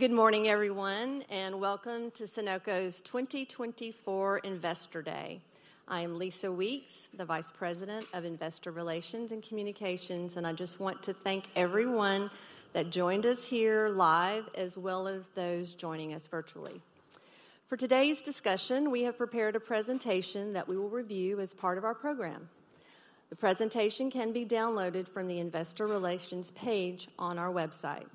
Good morning, everyone, and welcome to Sonoco's 2024 Investor Day. I am Lisa Weeks, the Vice President of Investor Relations and Communications, and I just want to thank everyone that joined us here live, as well as those joining us virtually. For today's discussion, we have prepared a presentation that we will review as part of our program. The presentation can be downloaded from the Investor Relations page on our website.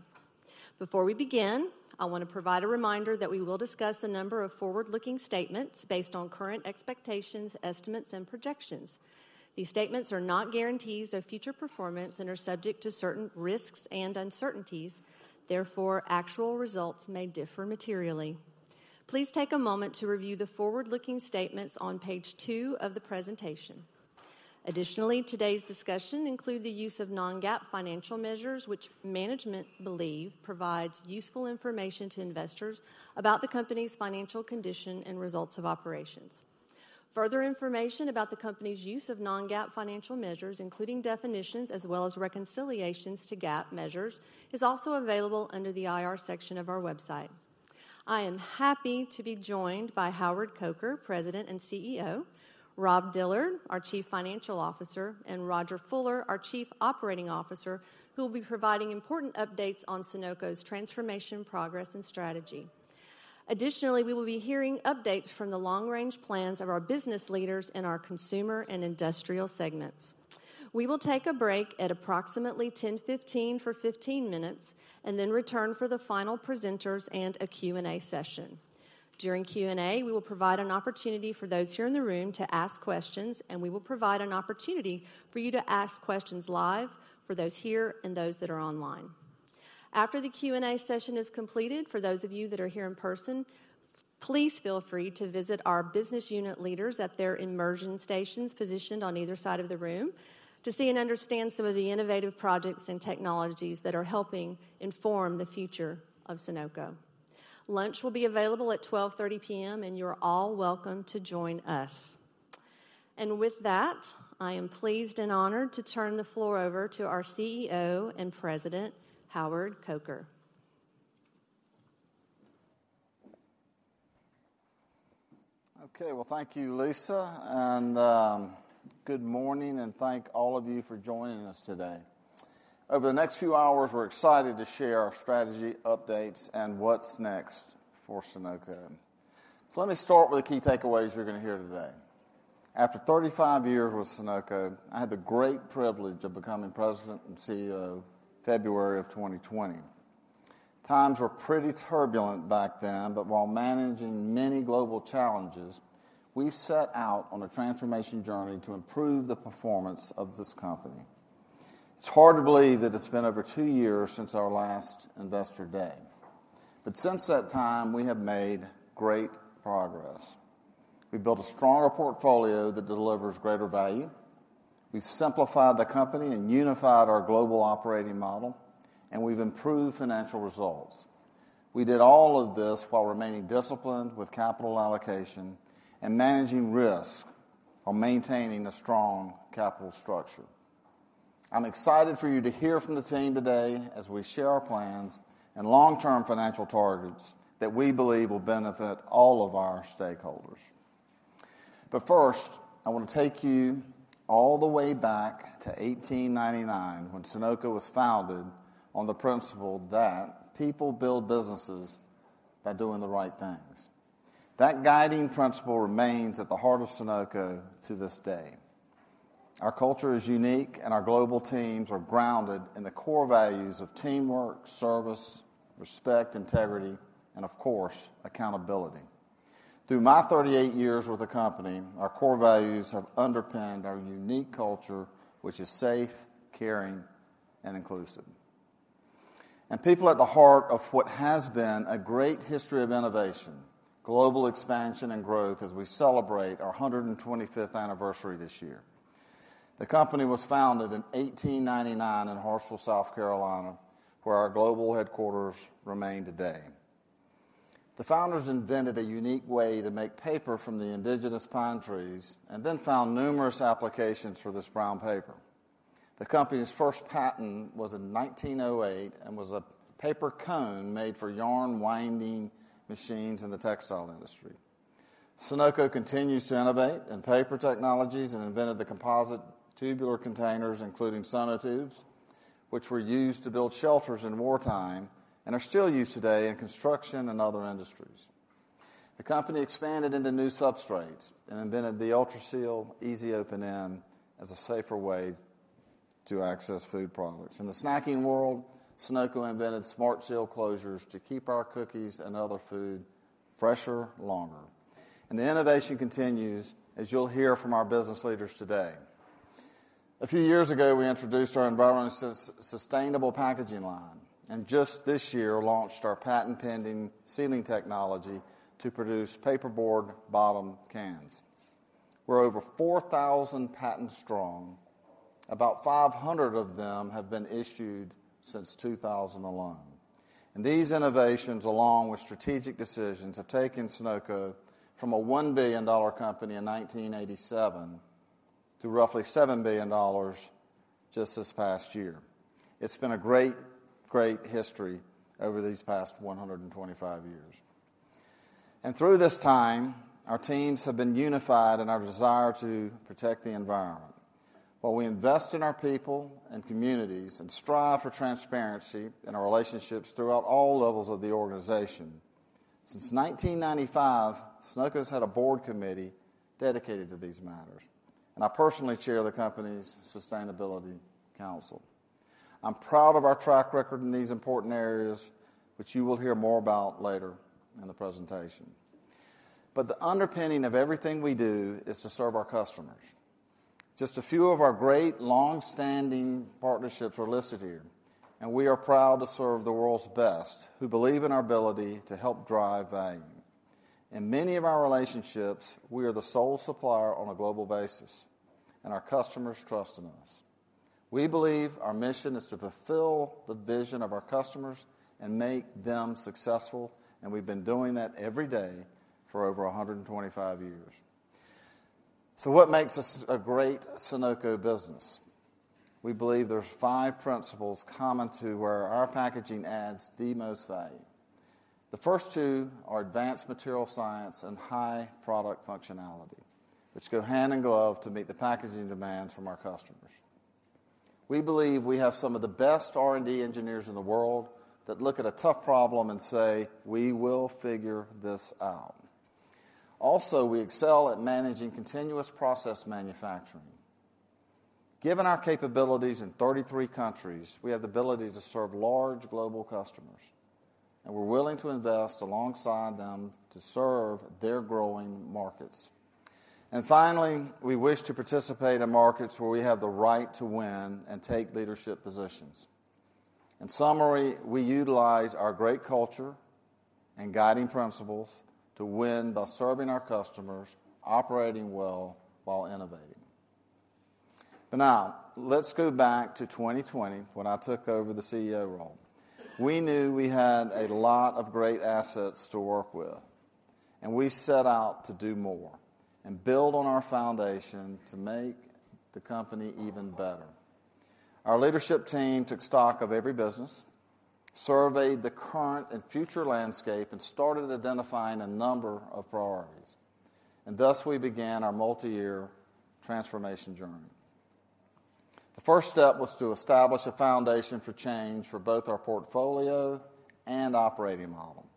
Before we begin, I wanna provide a reminder that we will discuss a number of forward-looking statements based on current expectations, estimates, and projections. These statements are not guarantees of future performance and are subject to certain risks and uncertainties. Therefore, actual results may differ materially. Please take a moment to review the forward-looking statements on page 2 of the presentation. Additionally, today's discussion includes the use of non-GAAP financial measures, which management believes provides useful information to investors about the company's financial condition and results of operations. Further information about the company's use of non-GAAP financial measures, including definitions as well as reconciliations to GAAP measures, is also available under the IR section of our website. I am happy to be joined by Howard Coker, President and CEO, Rob Dillard, our Chief Financial Officer, and Rodger Fuller, our Chief Operating Officer, who will be providing important updates on Sonoco's transformation progress and strategy. Additionally, we will be hearing updates from the long-range plans of our business leaders in our consumer and industrial segments. We will take a break at approximately 10:15 A.M. for 15 minutes, and then return for the final presenters and a Q&A session. During Q&A, we will provide an opportunity for those here in the room to ask questions, and we will provide an opportunity for you to ask questions live for those here and those that are online. After the Q&A session is completed, for those of you that are here in person, please feel free to visit our business unit leaders at their immersion stations, positioned on either side of the room, to see and understand some of the innovative projects and technologies that are helping inform the future of Sonoco. Lunch will be available at 12:30 P.M., and you're all welcome to join us. With that, I am pleased and honored to turn the floor over to our CEO and President, Howard Coker. Okay, well, thank you, Lisa, and good morning, and thank all of you for joining us today. Over the next few hours, we're excited to share our strategy, updates, and what's next for Sonoco. So let me start with the key takeaways you're gonna hear today. After 35 years with Sonoco, I had the great privilege of becoming President and CEO, February of 2020. Times were pretty turbulent back then, but while managing many global challenges, we set out on a transformation journey to improve the performance of this company. It's hard to believe that it's been over 2 years since our last Investor Day, but since that time, we have made great progress. We've built a stronger portfolio that delivers greater value, we've simplified the company and unified our global operating model, and we've improved financial results. We did all of this while remaining disciplined with capital allocation and managing risk while maintaining a strong capital structure. I'm excited for you to hear from the team today as we share our plans and long-term financial targets that we believe will benefit all of our stakeholders. But first, I wanna take you all the way back to 1899, when Sonoco was founded on the principle that people build businesses by doing the right things. That guiding principle remains at the heart of Sonoco to this day. Our culture is unique, and our global teams are grounded in the core values of teamwork, service, respect, integrity, and of course, accountability. Through my 38 years with the company, our core values have underpinned our unique culture, which is safe, caring, and inclusive. People at the heart of what has been a great history of innovation, global expansion, and growth as we celebrate our 125th anniversary this year. The company was founded in 1899 in Hartsville, South Carolina, where our global headquarters remain today. The founders invented a unique way to make paper from the indigenous pine trees and then found numerous applications for this brown paper. The company's first patent was in 1908 and was a paper cone made for yarn winding machines in the textile industry. Sonoco continues to innovate in paper technologies and invented the composite tubular containers, including Sonotubes, which were used to build shelters in wartime and are still used today in construction and other industries. The company expanded into new substrates and invented the Ultraseal Easy Open End as a safer way to access food products. In the snacking world, Sonoco invented SmartSeal closures to keep our cookies and other food fresher, longer. And the innovation continues, as you'll hear from our business leaders today. A few years ago, we introduced our environmentally sustainable packaging line, and just this year, launched our patent-pending sealing technology to produce paperboard bottom cans. We're over 4,000 patents strong. About 500 of them have been issued since 2000 alone, and these innovations, along with strategic decisions, have taken Sonoco from a $1 billion company in 1987 to roughly $7 billion just this past year. It's been a great, great history over these past 125 years. Through this time, our teams have been unified in our desire to protect the environment, while we invest in our people and communities and strive for transparency in our relationships throughout all levels of the organization. Since 1995, Sonoco's had a board committee dedicated to these matters, and I personally chair the company's Sustainability Council. I'm proud of our track record in these important areas, which you will hear more about later in the presentation. But the underpinning of everything we do is to serve our customers. Just a few of our great long-standing partnerships are listed here, and we are proud to serve the world's best, who believe in our ability to help drive value. In many of our relationships, we are the sole supplier on a global basis, and our customers trust in us. We believe our mission is to fulfill the vision of our customers and make them successful, and we've been doing that every day for over 125 years. So what makes us a great Sonoco business? We believe there are five principles common to where our packaging adds the most value. The first two are advanced material science and high product functionality, which go hand in glove to meet the packaging demands from our customers. We believe we have some of the best R&D engineers in the world, that look at a tough problem and say, "We will figure this out." Also, we excel at managing continuous process manufacturing. Given our capabilities in 33 countries, we have the ability to serve large global customers, and we're willing to invest alongside them to serve their growing markets. Finally, we wish to participate in markets where we have the right to win and take leadership positions. In summary, we utilize our great culture and guiding principles to win by serving our customers, operating well while innovating. But now, let's go back to 2020, when I took over the CEO role. We knew we had a lot of great assets to work with, and we set out to do more and build on our foundation to make the company even better. Our leadership team took stock of every business, surveyed the current and future landscape, and started identifying a number of priorities, and thus we began our multi-year transformation journey. The first step was to establish a foundation for change for both our portfolio and operating model.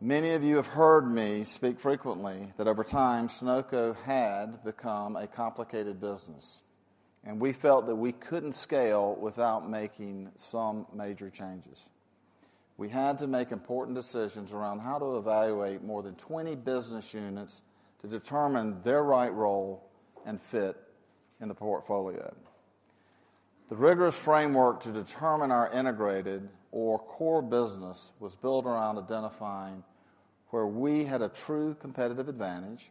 Many of you have heard me speak frequently that over time, Sonoco had become a complicated business, and we felt that we couldn't scale without making some major changes. We had to make important decisions around how to evaluate more than 20 business units to determine their right role and fit in the portfolio. The rigorous framework to determine our integrated or core business was built around identifying where we had a true competitive advantage,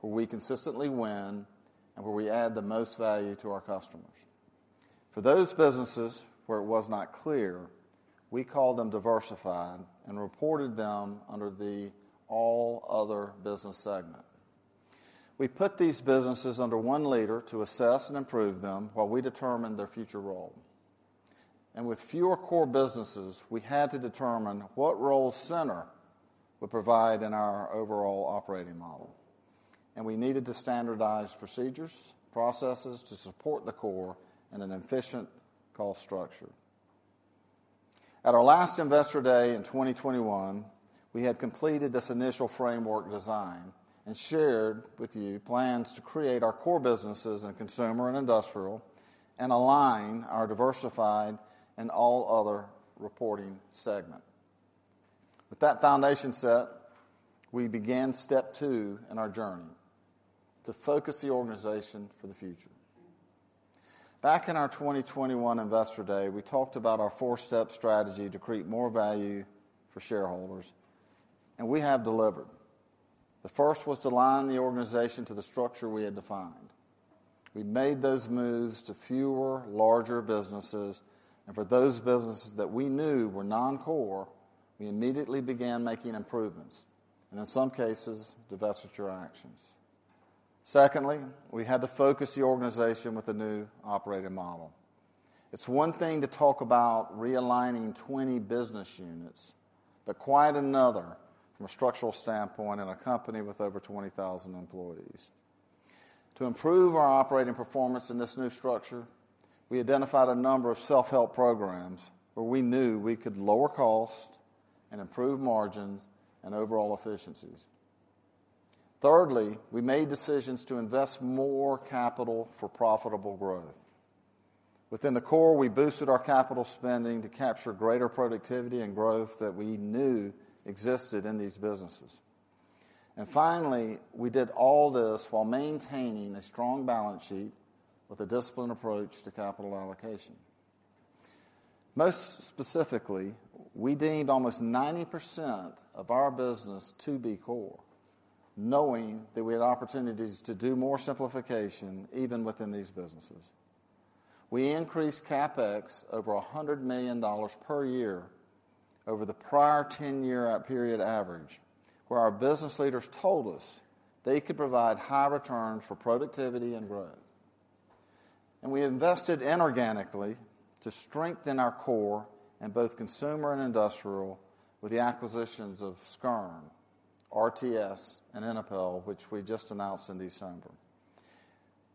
where we consistently win, and where we add the most value to our customers. For those businesses where it was not clear, we called them diversified and reported them under the all other business segment. We put these businesses under one leader to assess and improve them while we determined their future role. With fewer core businesses, we had to determine what role center would provide in our overall operating model. We needed to standardize procedures, processes to support the core in an efficient cost structure. At our last Investor Day in 2021, we had completed this initial framework design and shared with you plans to create our core businesses in consumer and industrial, and align our diversified and all other reporting segment. With that foundation set, we began step two in our journey: to focus the organization for the future. Back in our 2021 Investor Day, we talked about our four-step strategy to create more value for shareholders, and we have delivered. The first was to align the organization to the structure we had defined. We made those moves to fewer, larger businesses, and for those businesses that we knew were non-core, we immediately began making improvements, and in some cases, divestiture actions. Secondly, we had to focus the organization with a new operating model. It's one thing to talk about realigning 20 business units, but quite another from a structural standpoint in a company with over 20,000 employees. To improve our operating performance in this new structure, we identified a number of self-help programs where we knew we could lower cost and improve margins and overall efficiencies. Thirdly, we made decisions to invest more capital for profitable growth. Within the core, we boosted our capital spending to capture greater productivity and growth that we knew existed in these businesses. And finally, we did all this while maintaining a strong balance sheet with a disciplined approach to capital allocation. Most specifically, we deemed almost 90% of our business to be core, knowing that we had opportunities to do more simplification even within these businesses. We increased CapEx over $100 million per year over the prior 10-year period average, where our business leaders told us they could provide high returns for productivity and growth. We invested inorganically to strengthen our core in both consumer and industrial with the acquisitions of Skjern, RTS, and Inapel, which we just announced in December.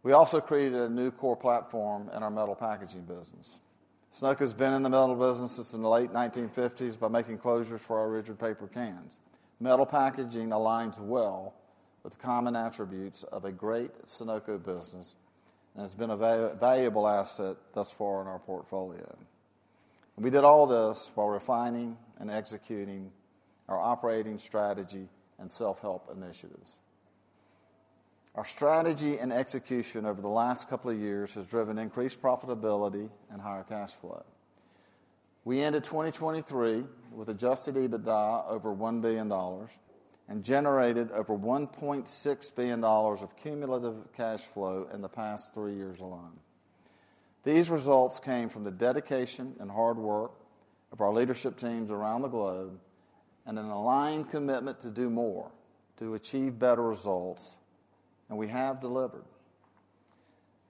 We also created a new core platform in our metal packaging business. Sonoco has been in the metal business since the late 1950s by making closures for our rigid paper cans. Metal packaging aligns well with the common attributes of a great Sonoco business, and has been a valuable asset thus far in our portfolio. We did all this while refining and executing our operating strategy and self-help initiatives. Our strategy and execution over the last couple of years has driven increased profitability and higher cash flow. We ended 2023 with adjusted EBITDA over $1 billion and generated over $1.6 billion of cumulative cash flow in the past 3 years alone. These results came from the dedication and hard work of our leadership teams around the globe and an aligned commitment to do more, to achieve better results, and we have delivered.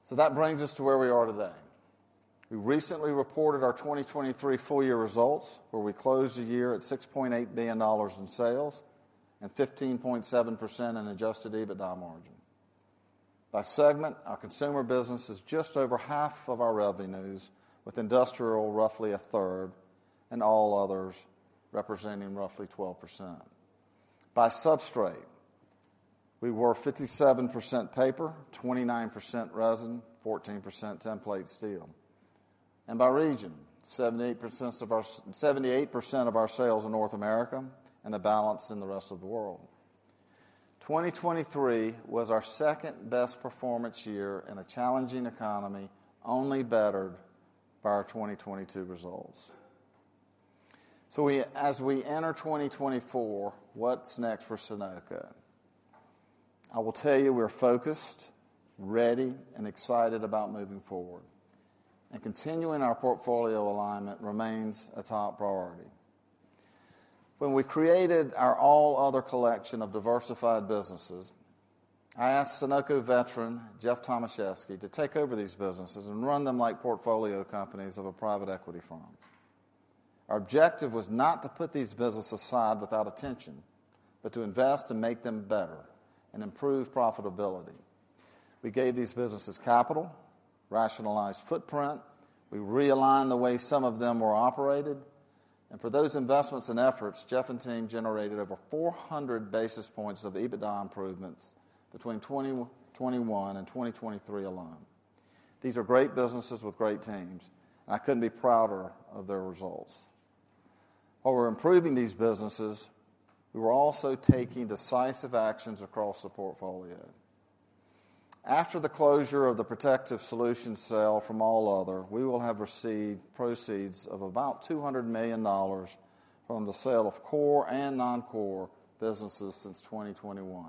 So that brings us to where we are today. We recently reported our 2023 full year results, where we closed the year at $6.8 billion in sales and 15.7% in adjusted EBITDA margin. By segment, our consumer business is just over half of our revenues, with industrial roughly a third and all others representing roughly 12%. By substrate, we were 57% paper, 29% resin, 14% tinplate steel. By region, 78% of our sales in North America and the balance in the rest of the world. 2023 was our second-best performance year in a challenging economy, only bettered by our 2022 results. So we, as we enter 2024, what's next for Sonoco? I will tell you, we're focused, ready, and excited about moving forward, and continuing our portfolio alignment remains a top priority. When we created our All Other collection of diversified businesses, I asked Sonoco veteran Jeff Tomaszewski to take over these businesses and run them like portfolio companies of a private equity firm. Our objective was not to put these businesses aside without attention, but to invest and make them better and improve profitability. We gave these businesses capital, rationalized footprint, we realigned the way some of them were operated, and for those investments and efforts, Jeff and team generated over 400 basis points of EBITDA improvements between 2021 and 2023 alone. These are great businesses with great teams, and I couldn't be prouder of their results. While we're improving these businesses, we were also taking decisive actions across the portfolio. After the closure of the Protective Solutions sale from All Other, we will have received proceeds of about $200 million from the sale of core and non-core businesses since 2021.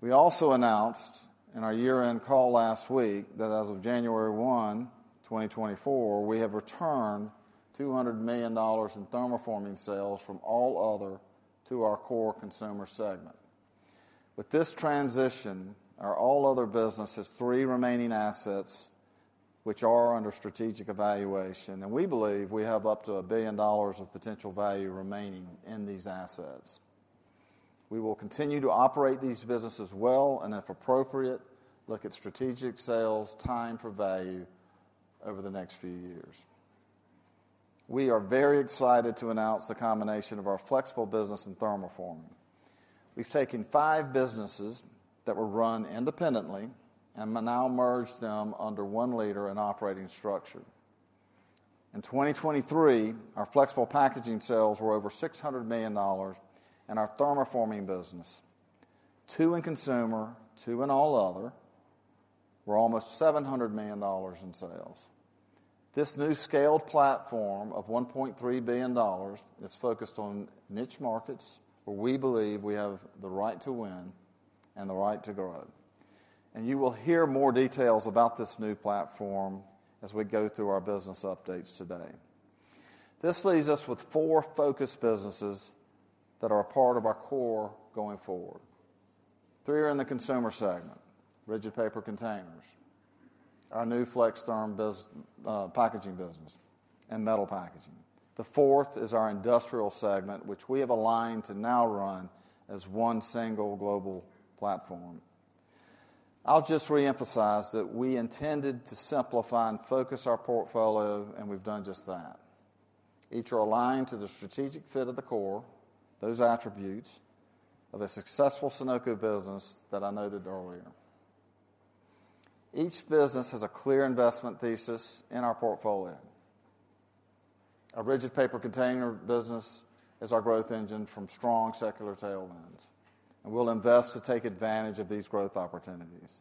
We also announced in our year-end call last week that as of January 1, 2024, we have returned $200 million in thermoforming sales from All Other to our core consumer segment. With this transition, our All Other business has three remaining assets which are under strategic evaluation, and we believe we have up to $1 billion of potential value remaining in these assets. We will continue to operate these businesses well, and if appropriate, look at strategic sales timed for value over the next few years. We are very excited to announce the combination of our flexible business and thermoforming. We've taken five businesses that were run independently and now merged them under one leader and operating structure. In 2023, our flexible packaging sales were over $600 million, and our thermoforming business, two in consumer, two in All Other, were almost $700 million in sales. This new scaled platform of $1.3 billion is focused on niche markets, where we believe we have the right to win and the right to grow. You will hear more details about this new platform as we go through our business updates today. This leaves us with four focused businesses that are a part of our core going forward. Three are in the consumer segment: rigid paper containers, our new FlexTherm packaging business, and metal packaging. The fourth is our industrial segment, which we have aligned to now run as one single global platform. I'll just re-emphasize that we intended to simplify and focus our portfolio, and we've done just that. Each are aligned to the strategic fit of the core, those attributes of a successful Sonoco business that I noted earlier. Each business has a clear investment thesis in our portfolio. Our rigid paper container business is our growth engine from strong secular tailwinds, and we'll invest to take advantage of these growth opportunities.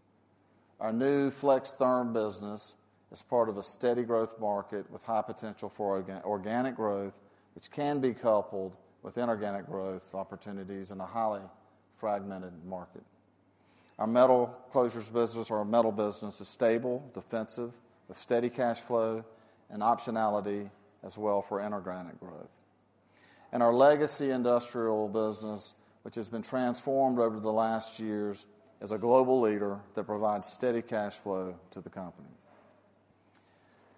Our new FlexTherm business is part of a steady growth market with high potential for organic growth, which can be coupled with inorganic growth opportunities in a highly fragmented market. Our metal closures business or our metal business is stable, defensive, with steady cash flow and optionality as well for inorganic growth. And our legacy industrial business, which has been transformed over the last years, is a global leader that provides steady cash flow to the company.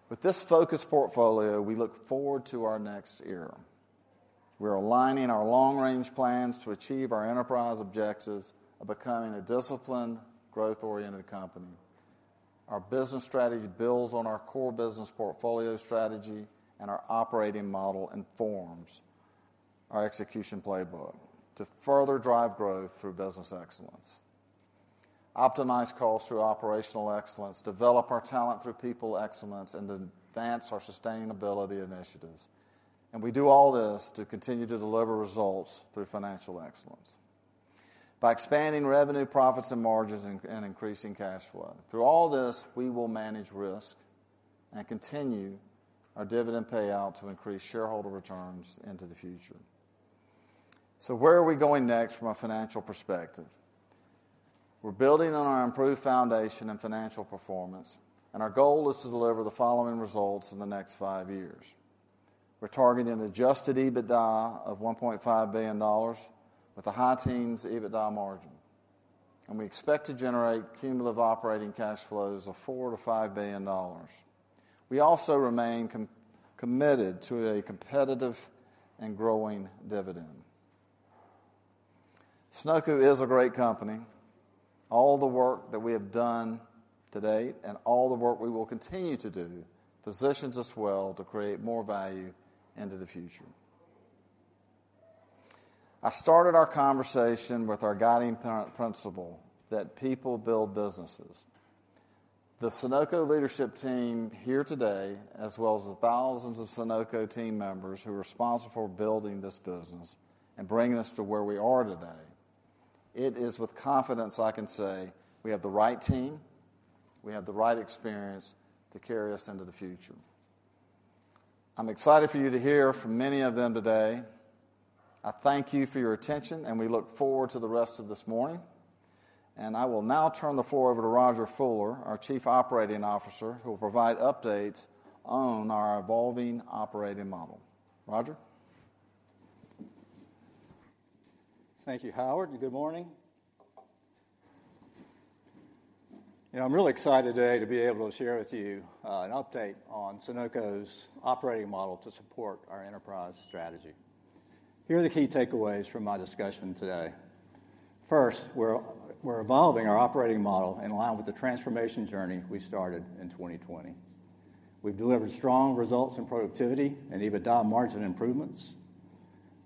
With this focused portfolio, we look forward to our next era. We are aligning our long-range plans to achieve our enterprise objectives of becoming a disciplined, growth-oriented company. Our business strategy builds on our core business portfolio strategy, and our operating model informs our execution playbook to further drive growth through business excellence, optimize costs through operational excellence, develop our talent through people excellence, and advance our sustainability initiatives. And we do all this to continue to deliver results through financial excellence by expanding revenue, profits, and margins, and increasing cash flow. Through all this, we will manage risk and continue our dividend payout to increase shareholder returns into the future. So where are we going next from a financial perspective? We're building on our improved foundation and financial performance, and our goal is to deliver the following results in the next five years. We're targeting an Adjusted EBITDA of $1.5 billion with a high teens EBITDA margin, and we expect to generate cumulative operating cash flows of $4 billion-$5 billion. We also remain committed to a competitive and growing dividend. Sonoco is a great company. All the work that we have done to date and all the work we will continue to do, positions us well to create more value into the future. I started our conversation with our guiding principle, that people build businesses. The Sonoco leadership team here today, as well as the thousands of Sonoco team members who are responsible for building this business and bringing us to where we are today, it is with confidence I can say we have the right team, we have the right experience to carry us into the future. I'm excited for you to hear from many of them today. I thank you for your attention, and we look forward to the rest of this morning, and I will now turn the floor over to Rodger Fuller, our Chief Operating Officer, who will provide updates on our evolving operating model. Rodger? Thank you, Howard, and good morning. You know, I'm really excited today to be able to share with you an update on Sonoco's operating model to support our enterprise strategy. Here are the key takeaways from my discussion today. First, we're evolving our operating model in line with the transformation journey we started in 2020. We've delivered strong results in productivity and EBITDA margin improvements.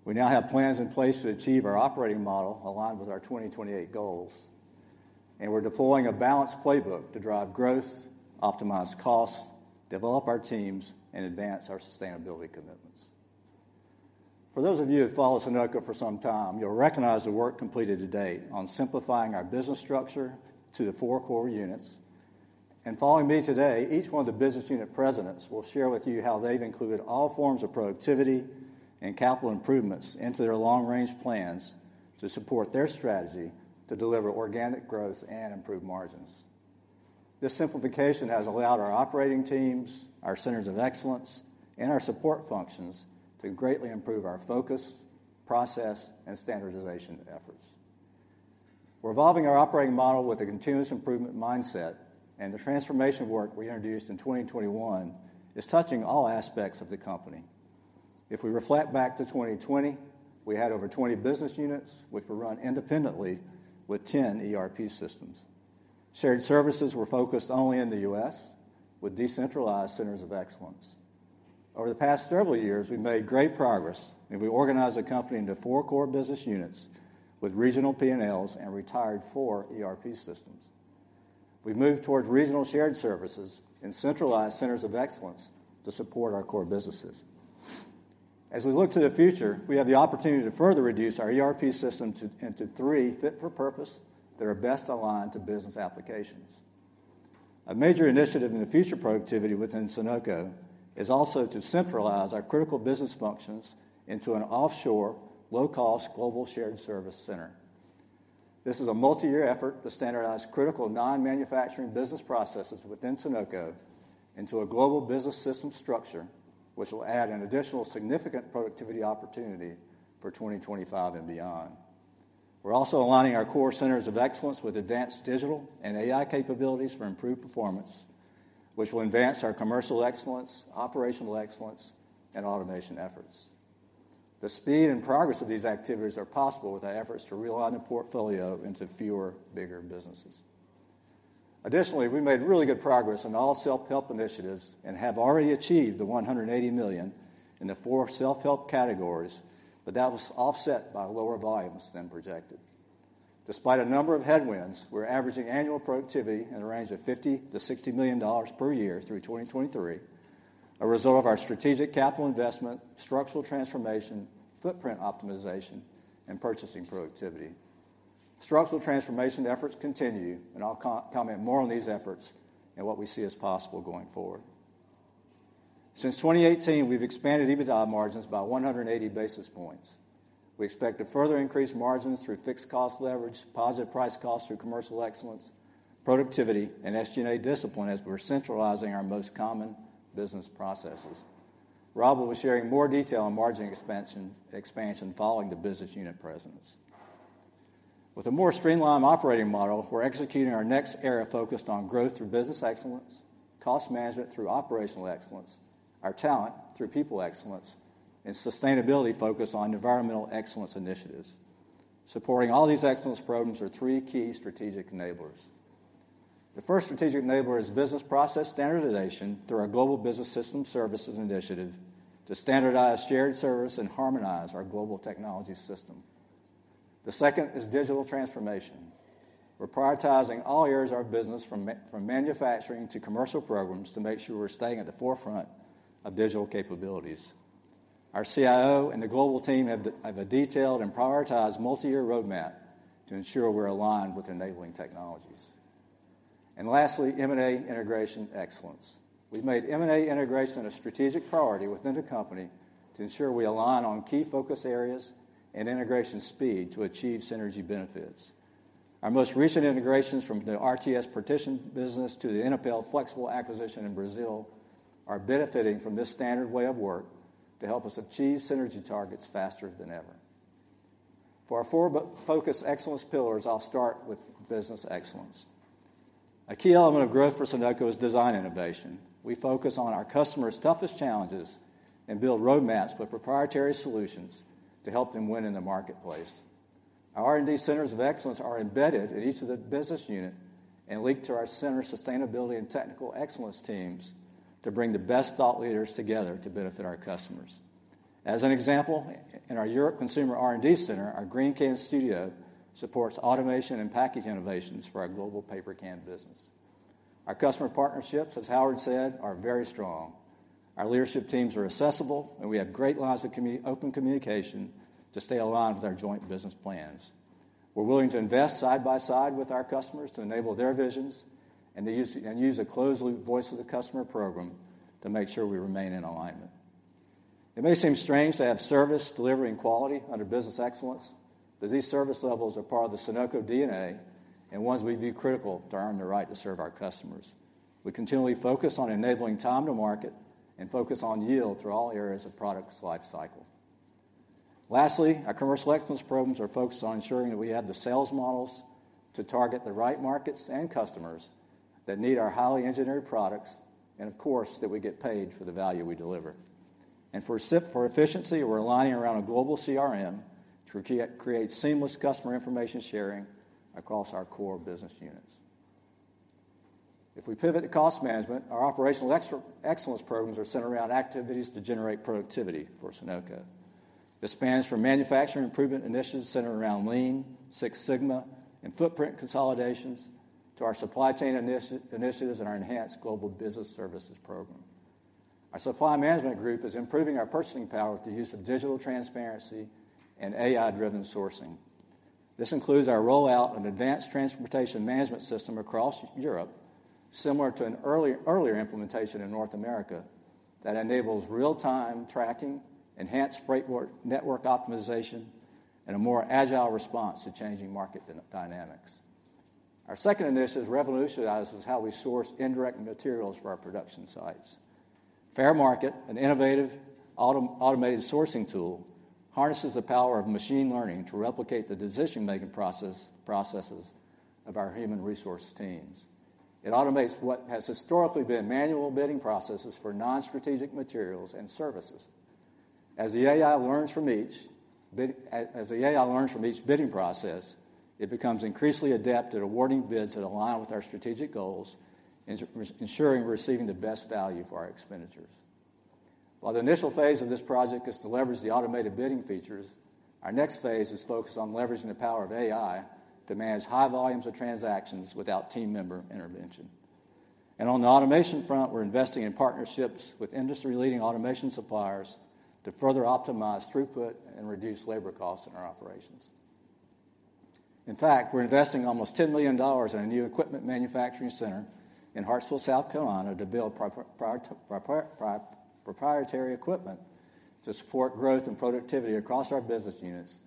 We now have plans in place to achieve our operating model aligned with our 2028 goals, and we're deploying a balanced playbook to drive growth, optimize costs, develop our teams, and advance our sustainability commitments. For those of you who've followed Sonoco for some time, you'll recognize the work completed to date on simplifying our business structure to the four core units. Following me today, each one of the business unit presidents will share with you how they've included all forms of productivity and capital improvements into their long-range plans to support their strategy to deliver organic growth and improved margins. This simplification has allowed our operating teams, our centers of excellence, and our support functions to greatly improve our focus, process, and standardization efforts. We're evolving our operating model with a continuous improvement mindset, and the transformation work we introduced in 2021 is touching all aspects of the company. If we reflect back to 2020, we had over 20 business units, which were run independently with 10 ERP systems. Shared services were focused only in the U.S. with decentralized centers of excellence. Over the past several years, we've made great progress, and we organized the company into four core business units with regional PNLs and retired four ERP systems. We've moved towards regional shared services and centralized centers of excellence to support our core businesses. As we look to the future, we have the opportunity to further reduce our ERP system to into three fit for purpose that are best aligned to business applications. A major initiative in the future productivity within Sonoco is also to centralize our critical business functions into an offshore, low-cost, global shared service center. This is a multi-year effort to standardize critical non-manufacturing business processes within Sonoco into a global business system structure, which will add an additional significant productivity opportunity for 2025 and beyond. We're also aligning our core centers of excellence with advanced digital and AI capabilities for improved performance, which will advance our commercial excellence, operational excellence, and automation efforts. The speed and progress of these activities are possible with our efforts to realign the portfolio into fewer, bigger businesses. Additionally, we made really good progress on all self-help initiatives and have already achieved the $180 million in the four self-help categories, but that was offset by lower volumes than projected. Despite a number of headwinds, we're averaging annual productivity in a range of $50-$60 million per year through 2023, a result of our strategic capital investment, structural transformation, footprint optimization, and purchasing productivity. Structural transformation efforts continue, and I'll comment more on these efforts and what we see as possible going forward. Since 2018, we've expanded EBITDA margins by 100 basis points. We expect to further increase margins through fixed cost leverage, positive price costs through commercial excellence, productivity, and SG&A discipline as we're centralizing our most common business processes. Rob will be sharing more detail on margin expansion, expansion following the business unit presence. With a more streamlined operating model, we're executing our next era focused on growth through business excellence, cost management through operational excellence, our talent through people excellence, and sustainability focus on environmental excellence initiatives. Supporting all these excellence programs are three key strategic enablers. The first strategic enabler is business process standardization through our Global Business Services initiative to standardize shared services and harmonize our global technology system. The second is digital transformation. We're prioritizing all areas of our business, from manufacturing to commercial programs, to make sure we're staying at the forefront of digital capabilities. Our CIO and the global team have a detailed and prioritized multi-year roadmap to ensure we're aligned with enabling technologies. And lastly, M&A integration excellence. We've made M&A integration a strategic priority within the company to ensure we align on key focus areas and integration speed to achieve synergy benefits. Our most recent integrations, from the RTS Packaging business to the Inapel flexible acquisition in Brazil, are benefiting from this standard way of work to help us achieve synergy targets faster than ever. For our four focus excellence pillars, I'll start with business excellence. A key element of growth for Sonoco is design innovation. We focus on our customers' toughest challenges and build roadmaps with proprietary solutions to help them win in the marketplace. Our R&D centers of excellence are embedded in each of the business unit and linked to our center sustainability and technical excellence teams to bring the best thought leaders together to benefit our customers. As an example, in our Europe Consumer R&D Center, our GreenCan Studio supports automation and package innovations for our global paper can business. Our customer partnerships, as Howard said, are very strong. Our leadership teams are accessible, and we have great lines of open communication to stay aligned with our joint business plans. We're willing to invest side by side with our customers to enable their visions and use, and use a closed-loop voice of the customer program to make sure we remain in alignment. It may seem strange to have service, delivery, and quality under business excellence, but these service levels are part of the Sonoco DNA and ones we view critical to earn the right to serve our customers. We continually focus on enabling time to market and focus on yield through all areas of product's life cycle. Lastly, our commercial excellence programs are focused on ensuring that we have the sales models to target the right markets and customers that need our highly engineered products, and of course, that we get paid for the value we deliver. For efficiency, we're aligning around a global CRM to create seamless customer information sharing across our core business units. If we pivot to cost management, our operational excellence programs are centered around activities to generate productivity for Sonoco. This spans from manufacturing improvement initiatives centered around Lean, Six Sigma, and footprint consolidations to our supply chain initiatives and our enhanced Global Business Services program. Our supply management group is improving our purchasing power through the use of digital transparency and AI-driven sourcing. This includes our rollout of an advanced transportation management system across Europe, similar to an earlier implementation in North America, that enables real-time tracking, enhanced freight board network optimization, and a more agile response to changing market dynamics. Our second initiative revolutionizes how we source indirect materials for our production sites. Fairmarkit, an innovative automated sourcing tool, harnesses the power of machine learning to replicate the decision-making processes of our human resource teams. It automates what has historically been manual bidding processes for non-strategic materials and services. As the AI learns from each bid, as the AI learns from each bidding process, it becomes increasingly adept at awarding bids that align with our strategic goals, ensuring we're receiving the best value for our expenditures. While the initial phase of this project is to leverage the automated bidding features, our next phase is focused on leveraging the power of AI to manage high volumes of transactions without team member intervention. On the automation front, we're investing in partnerships with industry-leading automation suppliers to further optimize throughput and reduce labor costs in our operations. In fact, we're investing almost $10 million in a new equipment manufacturing center in Hartsville, South Carolina, to build proprietary equipment to support growth and productivity across our business units,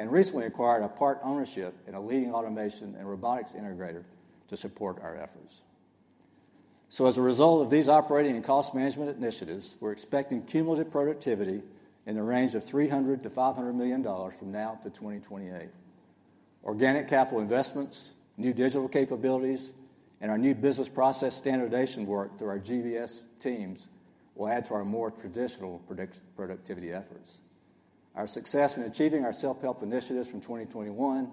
and recently acquired a part ownership in a leading automation and robotics integrator to support our efforts. So as a result of these operating and cost management initiatives, we're expecting cumulative productivity in the range of $300 million-$500 million from now to 2028. Organic capital investments, new digital capabilities, and our new business process standardization work through our GBS teams will add to our more traditional productivity efforts. Our success in achieving our self-help initiatives from 2021,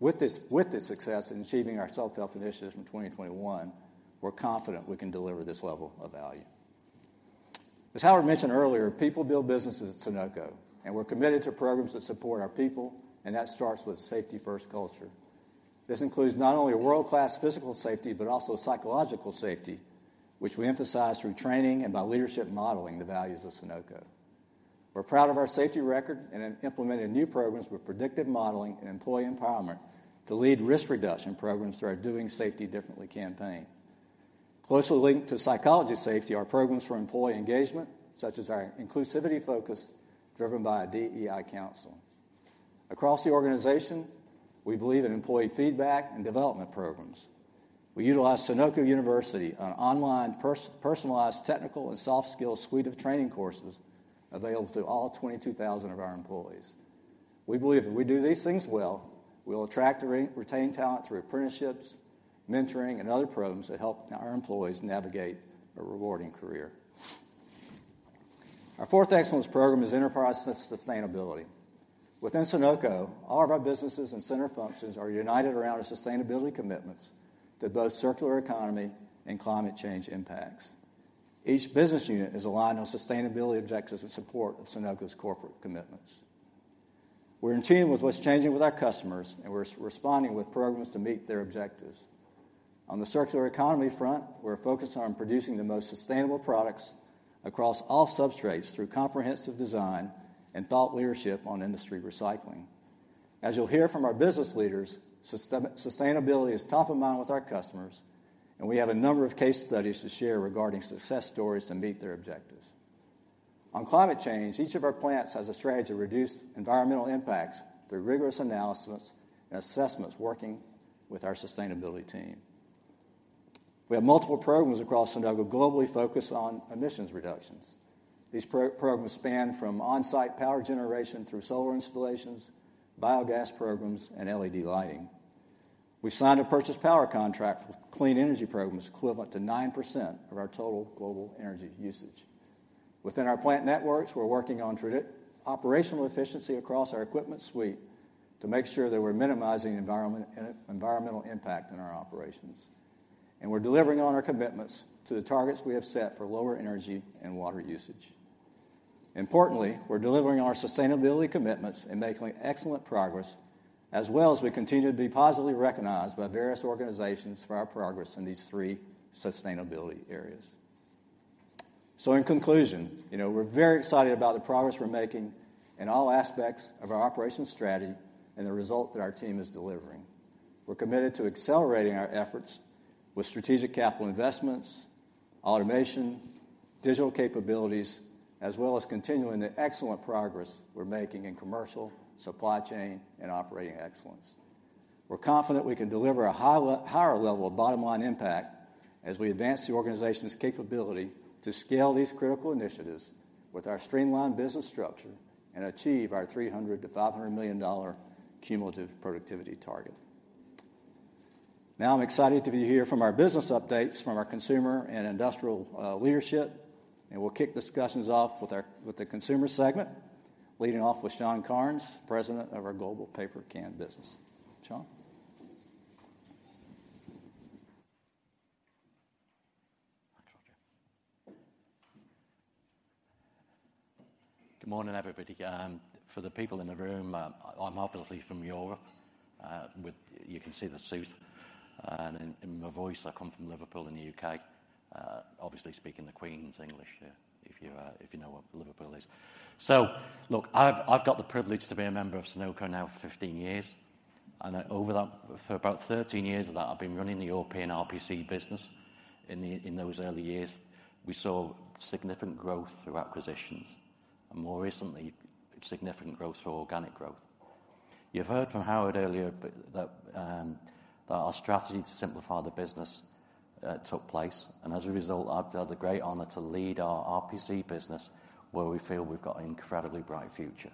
with this, with the success in achieving our self-help initiatives from 2021, we're confident we can deliver this level of value. As Howard mentioned earlier, people build businesses at Sonoco, and we're committed to programs that support our people, and that starts with a safety-first culture. This includes not only a world-class physical safety, but also psychological safety, which we emphasize through training and by leadership modeling the values of Sonoco. We're proud of our safety record and have implemented new programs with predictive modeling and employee empowerment to lead risk reduction programs through our Doing Safety Differently campaign. Closely linked to psychological safety are programs for employee engagement, such as our inclusivity focus, driven by a DEI council. Across the organization, we believe in employee feedback and development programs. We utilize Sonoco University, an online personalized technical and soft skills suite of training courses available to all 22,000 of our employees. We believe if we do these things well, we will attract and retain talent through apprenticeships, mentoring, and other programs that help our employees navigate a rewarding career. Our fourth excellence program is enterprise sustainability. Within Sonoco, all of our businesses and center functions are united around our sustainability commitments to both circular economy and climate change impacts. Each business unit is aligned on sustainability objectives in support of Sonoco's corporate commitments. We're in tune with what's changing with our customers, and we're responding with programs to meet their objectives. On the circular economy front, we're focused on producing the most sustainable products across all substrates through comprehensive design and thought leadership on industry recycling. As you'll hear from our business leaders, sustainability is top of mind with our customers, and we have a number of case studies to share regarding success stories to meet their objectives. On climate change, each of our plants has a strategy to reduce environmental impacts through rigorous analysis and assessments, working with our sustainability team. We have multiple programs across Sonoco globally focused on emissions reductions. These programs span from on-site power generation through solar installations, biogas programs, and LED lighting. We've signed a purchase power contract for clean energy programs equivalent to 9% of our total global energy usage. Within our plant networks, we're working on operational efficiency across our equipment suite to make sure that we're minimizing environmental impact in our operations, and we're delivering on our commitments to the targets we have set for lower energy and water usage. Importantly, we're delivering on our sustainability commitments and making excellent progress, as well as we continue to be positively recognized by various organizations for our progress in these three sustainability areas. So in conclusion, you know, we're very excited about the progress we're making in all aspects of our operations strategy and the result that our team is delivering. We're committed to accelerating our efforts with strategic capital investments, automation, digital capabilities, as well as continuing the excellent progress we're making in commercial, supply chain, and operating excellence. We're confident we can deliver a higher level of bottom-line impact as we advance the organization's capability to scale these critical initiatives with our streamlined business structure and achieve our $300 million-$500 million cumulative productivity target. Now, I'm excited to hear from our business updates from our consumer and industrial leadership, and we'll kick discussions off with our, with the consumer segment, leading off with Sean Cairns, President of our Global Paper Can business. Sean? Thanks, Rodger. Good morning, everybody. For the people in the room, I'm obviously from Europe. With... You can see the suit, and in my voice, I come from Liverpool in the U.K. Obviously speaking the Queen's English, if you know where Liverpool is. So look, I've got the privilege to be a member of Sonoco now for 15 years, and over that, for about 13 years of that, I've been running the European RPC business. In those early years, we saw significant growth through acquisitions and more recently, significant growth through organic growth. You've heard from Howard earlier that our strategy to simplify the business took place, and as a result, I've had the great honor to lead our RPC business, where we feel we've got an incredibly bright future.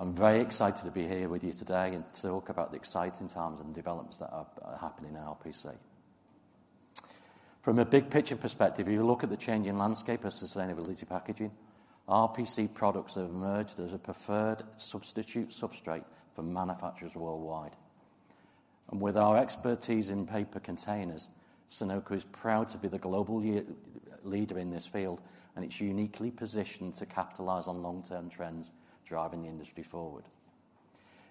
I'm very excited to be here with you today and to talk about the exciting times and developments that are happening in RPC. From a big-picture perspective, if you look at the changing landscape of sustainability packaging, RPC products have emerged as a preferred substitute substrate for manufacturers worldwide. With our expertise in paper containers, Sonoco is proud to be the global leader in this field, and it's uniquely positioned to capitalize on long-term trends driving the industry forward.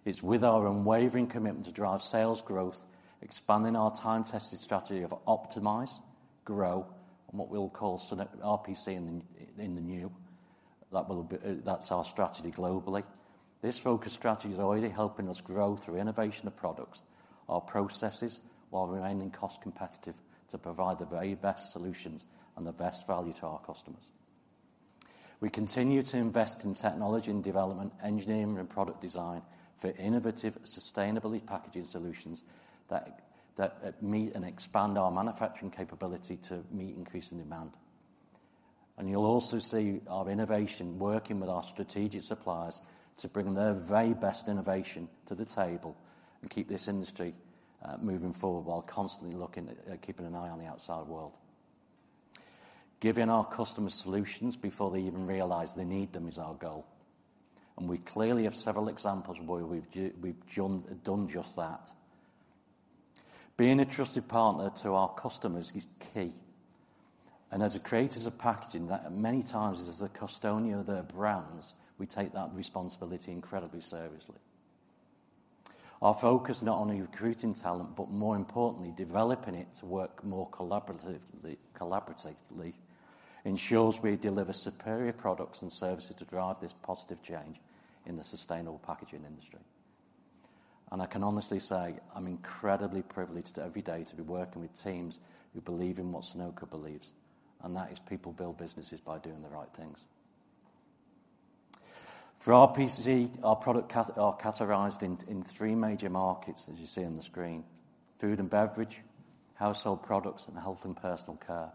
It's with our unwavering commitment to drive sales growth, expanding our time-tested strategy of optimize, grow, and what we'll call Sonoco RPC in the new. That will be, that's our strategy globally. This focused strategy is already helping us grow through innovation of products or processes, while remaining cost competitive to provide the very best solutions and the best value to our customers. We continue to invest in technology and development, engineering and product design for innovative, sustainable packaging solutions that meet and expand our manufacturing capability to meet increasing demand. And you'll also see our innovation, working with our strategic suppliers to bring their very best innovation to the table and keep this industry moving forward while constantly looking, keeping an eye on the outside world. Giving our customers solutions before they even realize they need them is our goal, and we clearly have several examples where we've done just that. Being a trusted partner to our customers is key, and as the creators of packaging, that many times as the custodian of their brands, we take that responsibility incredibly seriously.... Our focus not only recruiting talent, but more importantly, developing it to work more collaboratively, ensures we deliver superior products and services to drive this positive change in the sustainable packaging industry. And I can honestly say, I'm incredibly privileged every day to be working with teams who believe in what Sonoco believes, and that is people build businesses by doing the right things. For our RPC, our product categories are categorized in three major markets, as you see on the screen: food and beverage, household products, and health and personal care.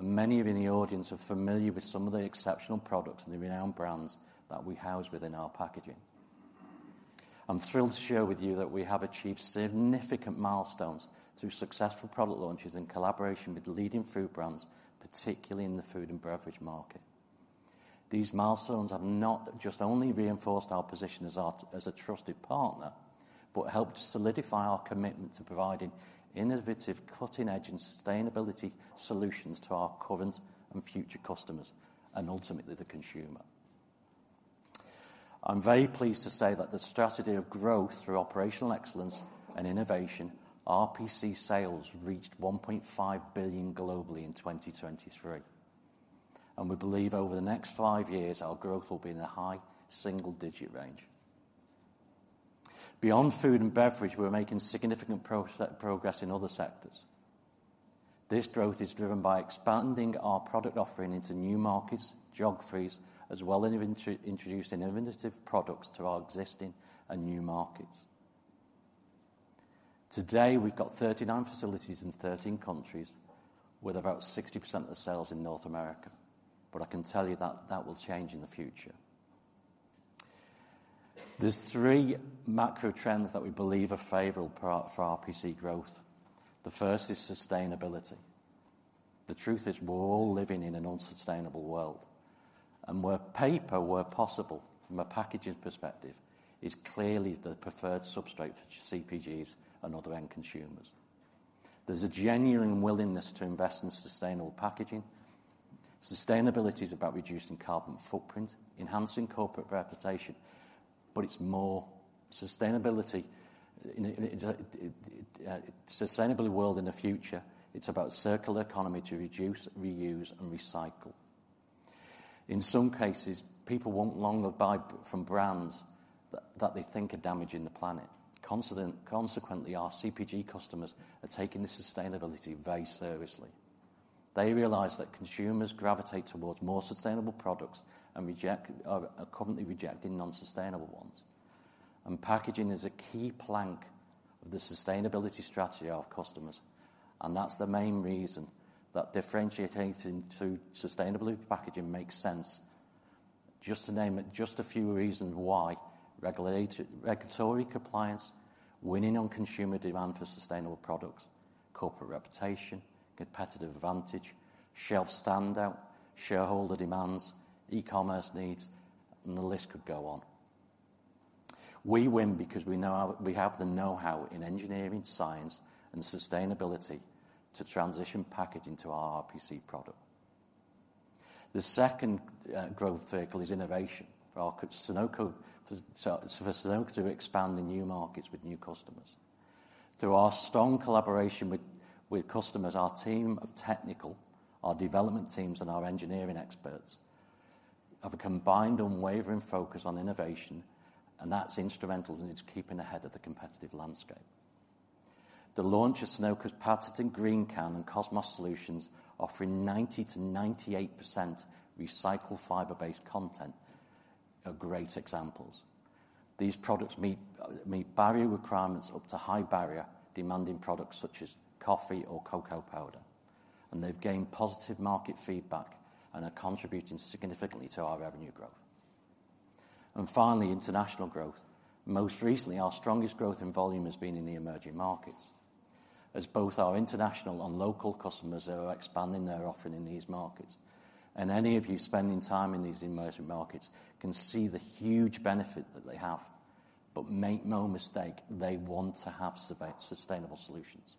And many of you in the audience are familiar with some of the exceptional products and the renowned brands that we house within our packaging. I'm thrilled to share with you that we have achieved significant milestones through successful product launches in collaboration with leading food brands, particularly in the food and beverage market. These milestones have not just only reinforced our position as a trusted partner, but helped solidify our commitment to providing innovative, cutting-edge, and sustainability solutions to our current and future customers, and ultimately, the consumer. I'm very pleased to say that the strategy of growth through operational excellence and innovation, RPC sales reached $1.5 billion globally in 2023, and we believe over the next five years, our growth will be in a high single-digit range. Beyond food and beverage, we're making significant progress in other sectors. This growth is driven by expanding our product offering into new markets, geographies, as well as introducing innovative products to our existing and new markets. Today, we've got 39 facilities in 13 countries, with about 60% of the sales in North America, but I can tell you that that will change in the future. There's three macro trends that we believe are favorable for RPC growth. The first is sustainability. The truth is, we're all living in an unsustainable world, and where paper, where possible, from a packaging perspective, is clearly the preferred substrate for CPGs and other end consumers. There's a genuine willingness to invest in sustainable packaging. Sustainability is about reducing carbon footprint, enhancing corporate reputation, but it's more. Sustainability, in a sustainable world in the future, it's about circular economy to reduce, reuse, and recycle. In some cases, people no longer buy from brands that they think are damaging the planet. Consequently, our CPG customers are taking sustainability very seriously. They realize that consumers gravitate towards more sustainable products and are currently rejecting non-sustainable ones. Packaging is a key plank of the sustainability strategy of customers, and that's the main reason that differentiating to sustainable packaging makes sense. Just to name it, just a few reasons why: regulatory compliance, winning on consumer demand for sustainable products, corporate reputation, competitive advantage, shelf standout, shareholder demands, e-commerce needs, and the list could go on. We win because we know how, we have the know-how in engineering, science, and sustainability to transition packaging to our RPC product. The second growth vehicle is innovation for our Sonoco, so for Sonoco to expand the new markets with new customers. Through our strong collaboration with customers, our team of technical, our development teams, and our engineering experts, have a combined unwavering focus on innovation, and that's instrumental, and it's keeping ahead of the competitive landscape. The launch of Sonoco's patented GreenCan and Cosmos solutions, offering 90%-98% recycled fiber-based content, are great examples. These products meet, meet barrier requirements up to high barrier, demanding products such as coffee or cocoa powder, and they've gained positive market feedback and are contributing significantly to our revenue growth. And finally, international growth. Most recently, our strongest growth in volume has been in the emerging markets, as both our international and local customers are expanding their offering in these markets. And any of you spending time in these emerging markets can see the huge benefit that they have. But make no mistake, they want to have sustainable solutions.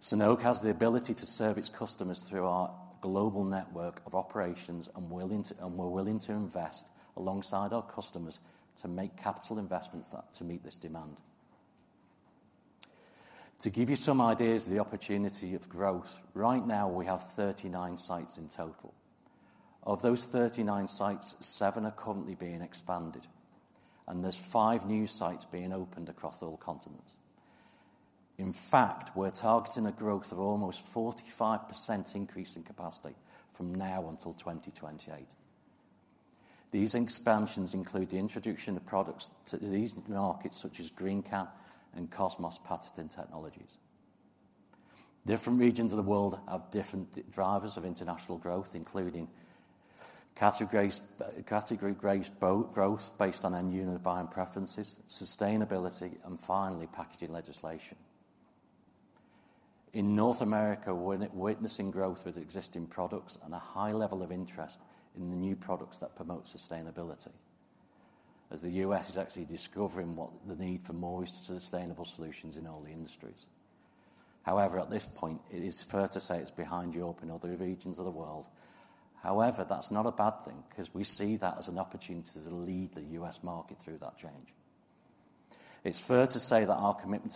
Sonoco has the ability to serve its customers through our global network of operations and we're willing to invest alongside our customers to make capital investments that, to meet this demand. To give you some ideas of the opportunity of growth, right now, we have 39 sites in total. Of those 39 sites, 7 are currently being expanded, and there's 5 new sites being opened across all continents. In fact, we're targeting a growth of almost 45% increase in capacity from now until 2028. These expansions include the introduction of products to these markets, such as GreenCan and Cosmos patented technologies. Different regions of the world have different drivers of international growth, including categories, category growth, growth based on end user buying preferences, sustainability, and finally, packaging legislation. In North America, we're witnessing growth with existing products and a high level of interest in the new products that promote sustainability, as the U.S. is actually discovering what the need for more sustainable solutions in all the industries... However, at this point, it is fair to say it's behind Europe and other regions of the world. However, that's not a bad thing 'cause we see that as an opportunity to lead the U.S. market through that change. It's fair to say that our commitment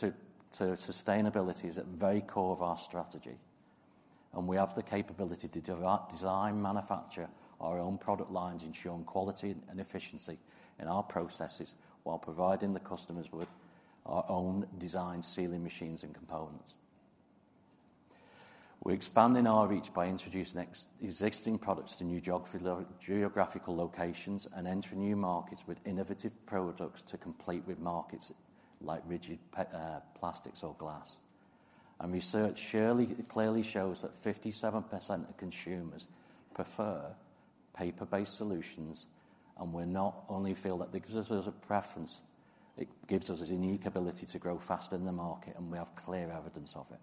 to sustainability is at the very core of our strategy, and we have the capability to design, manufacture our own product lines, ensuring quality and efficiency in our processes, while providing the customers with our own design, sealing machines, and components. We're expanding our reach by introducing existing products to new geographical locations and entering new markets with innovative products to compete with markets like rigid plastics or glass. Research surely clearly shows that 57% of consumers prefer paper-based solutions, and we not only feel that it gives us a preference, it gives us a unique ability to grow faster in the market, and we have clear evidence of it.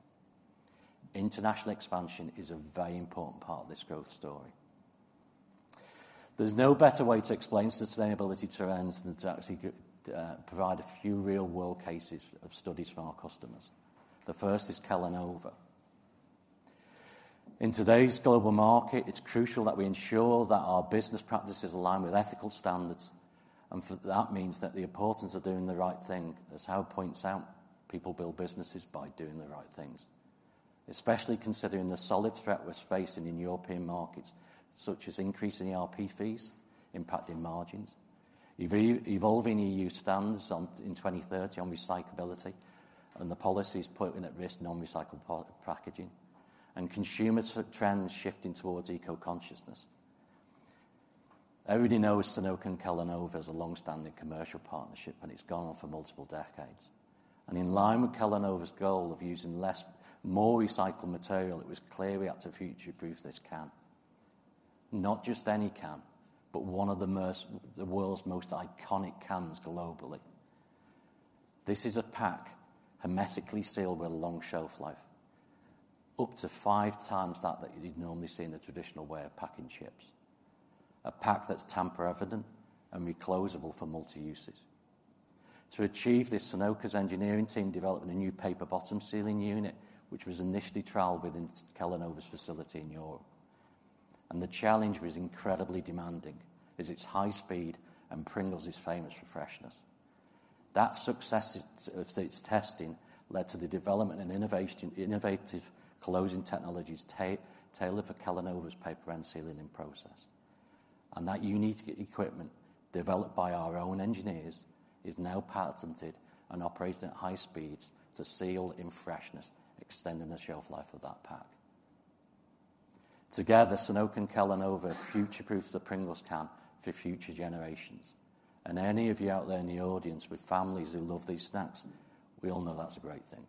International expansion is a very important part of this growth story. There's no better way to explain sustainability trends than to actually provide a few real-world cases of studies from our customers. The first is Kellanova. In today's global market, it's crucial that we ensure that our business practices align with ethical standards, and for that means that the importance of doing the right thing, as Howard points out, people build businesses by doing the right things. Especially considering the solid threat we're facing in European markets, such as increasing EPR fees impacting margins, evolving EU standards in 2030 on recyclability, and the policies putting at risk non-recycled packaging, and consumer trends shifting towards eco-consciousness. Everybody knows Sonoco and Kellanova has a long-standing commercial partnership, and it's gone on for multiple decades. In line with Kellanova's goal of using more recycled material, it was clear we had to future-proof this can. Not just any can, but one of the most... the world's most iconic cans globally. This is a pack hermetically sealed with a long shelf life, up to five times that you'd normally see in the traditional way of packing chips. A pack that's tamper-evident and reclosable for multi-uses. To achieve this, Sonoco's engineering team developed a new paper bottom sealing unit, which was initially trialed within Kellanova's facility in Europe, and the challenge was incredibly demanding, as it's high speed, and Pringles is famous for freshness. That success of its testing led to the development and innovative closing technologies tailored for Kellanova's paper end sealing process. That unique equipment, developed by our own engineers, is now patented and operates at high speeds to seal in freshness, extending the shelf life of that pack. Together, Sonoco and Kellanova future-proofed the Pringles can for future generations, and any of you out there in the audience with families who love these snacks, we all know that's a great thing.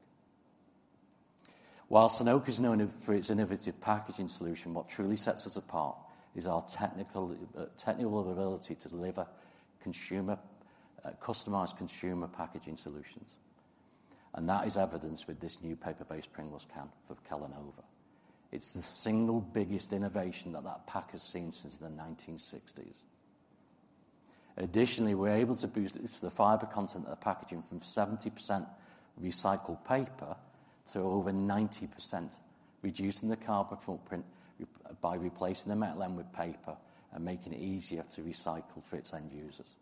While Sonoco is known for its innovative packaging solution, what truly sets us apart is our technical ability to deliver consumer, customized consumer packaging solutions, and that is evidenced with this new paper-based Pringles can for Kellanova. It's the single biggest innovation that that pack has seen since the 1960s. Additionally, we're able to boost the fiber content of the packaging from 70% recycled paper to over 90%, reducing the carbon footprint by replacing the metal end with paper and making it easier to recycle for its end users.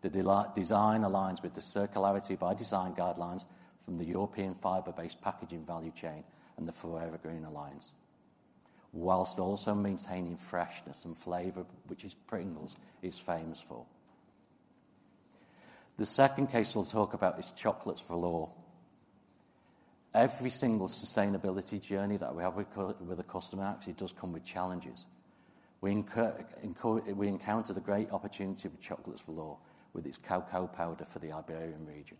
The design aligns with the circularity by design guidelines from the European Fiber-Based Packaging Value Chain and the 4evergreen Alliance, while also maintaining freshness and flavor, which is Pringles is famous for. The second case we'll talk about is Chocolates Valor. Every single sustainability journey that we have with a customer actually does come with challenges. We encountered a great opportunity with Chocolates Valor, with its cocoa powder for the Iberian region.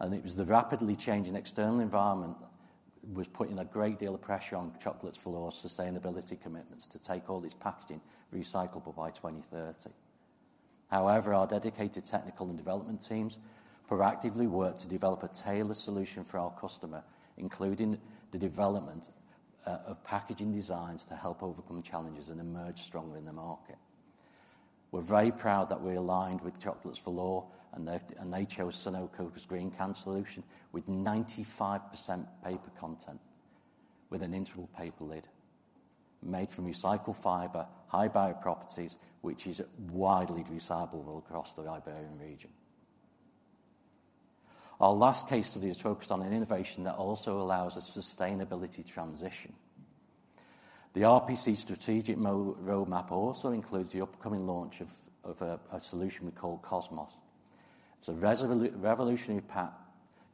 It was the rapidly changing external environment was putting a great deal of pressure on Chocolates Valor's sustainability commitments to take all its packaging recyclable by 2030. However, our dedicated technical and development teams proactively worked to develop a tailored solution for our customer, including the development of packaging designs to help overcome the challenges and emerge stronger in the market. We're very proud that we're aligned with Chocolates Valor, and they chose Sonoco's GreenCan solution with 95% paper content, with an integral paper lid made from recycled fiber, high barrier properties, which is widely recyclable across the Iberian region. Our last case study is focused on an innovation that also allows a sustainability transition. The RPC strategic roadmap also includes the upcoming launch of a solution we call Cosmos. It's a revolutionary pack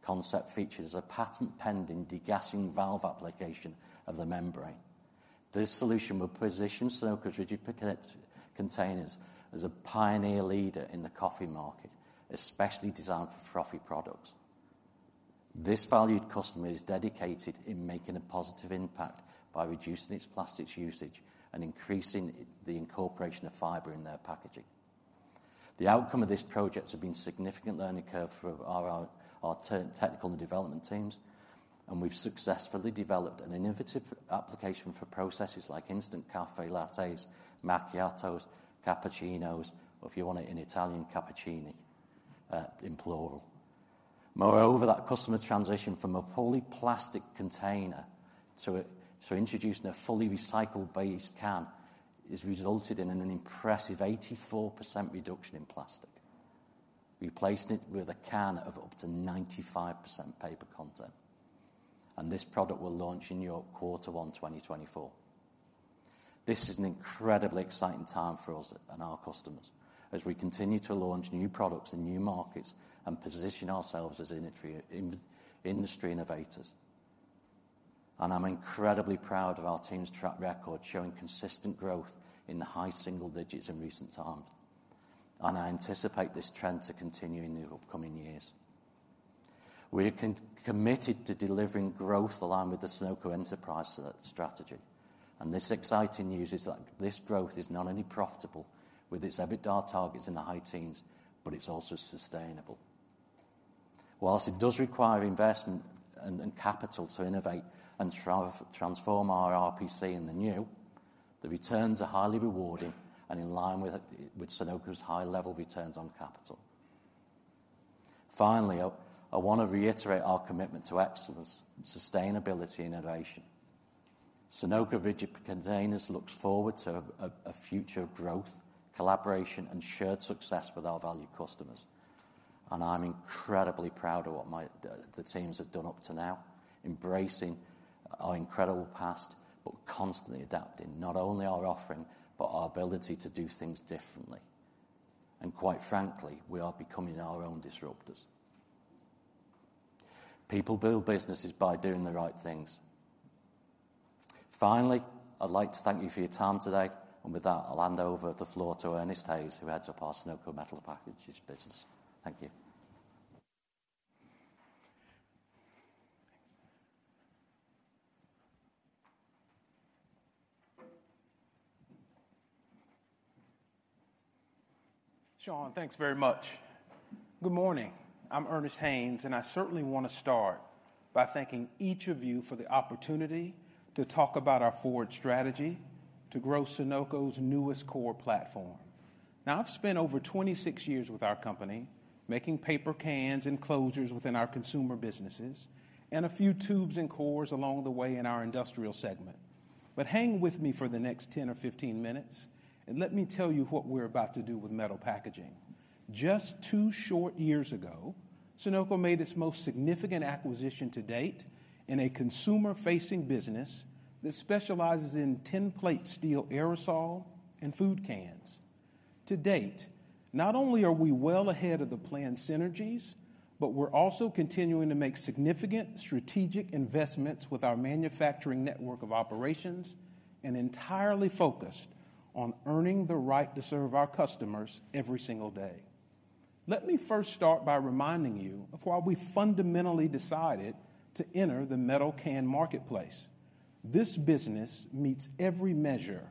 concept features a patent-pending degassing valve application of the membrane. This solution will position Sonoco Rigid Containers as a pioneer leader in the coffee market, especially designed for frothy products. This valued customer is dedicated in making a positive impact by reducing its plastics usage and increasing the incorporation of fiber in their packaging. The outcome of this project has been a significant learning curve for our technical and development teams... and we've successfully developed an innovative application for processes like instant caffè lattes, macchiatos, cappuccinos, or if you want it in Italian, cappuccini in plural. Moreover, that customer transition from a fully plastic container to introducing a fully recycled-based can has resulted in an impressive 84% reduction in plastic. Replacing it with a can of up to 95% paper content, and this product will launch in quarter one, 2024. This is an incredibly exciting time for us and our customers as we continue to launch new products in new markets and position ourselves as industry innovators. I'm incredibly proud of our team's track record, showing consistent growth in the high single digits in recent times, and I anticipate this trend to continue in the upcoming years. We're committed to delivering growth along with the Sonoco enterprise strategy, and this exciting news is that this growth is not only profitable, with its EBITDA targets in the high teens, but it's also sustainable. While it does require investment and capital to innovate and transform our RPC, the returns are highly rewarding and in line with Sonoco's high level returns on capital. Finally, I want to reiterate our commitment to excellence, sustainability, innovation. Sonoco Rigid Containers looks forward to a future of growth, collaboration, and shared success with our valued customers. And I'm incredibly proud of what the teams have done up to now, embracing our incredible past, but constantly adapting not only our offering, but our ability to do things differently. And quite frankly, we are becoming our own disruptors. People build businesses by doing the right things. Finally, I'd like to thank you for your time today, and with that, I'll hand over the floor to Ernest Haynes, who heads up our Sonoco Metal Packaging business. Thank you. Thanks. Sean, thanks very much. Good morning. I'm Ernest Haynes, and I certainly wanna start by thanking each of you for the opportunity to talk about our forward strategy to grow Sonoco's newest core platform. Now, I've spent over 26 years with our company, making paper cans and closures within our consumer businesses and a few tubes and cores along the way in our industrial segment. But hang with me for the next 10 or 15 minutes, and let me tell you what we're about to do with metal packaging. Just 2 short years ago, Sonoco made its most significant acquisition to date in a consumer-facing business that specializes in tinplate steel aerosol and food cans. To date, not only are we well ahead of the planned synergies, but we're also continuing to make significant strategic investments with our manufacturing network of operations and entirely focused on earning the right to serve our customers every single day. Let me first start by reminding you of why we fundamentally decided to enter the metal can marketplace. This business meets every measure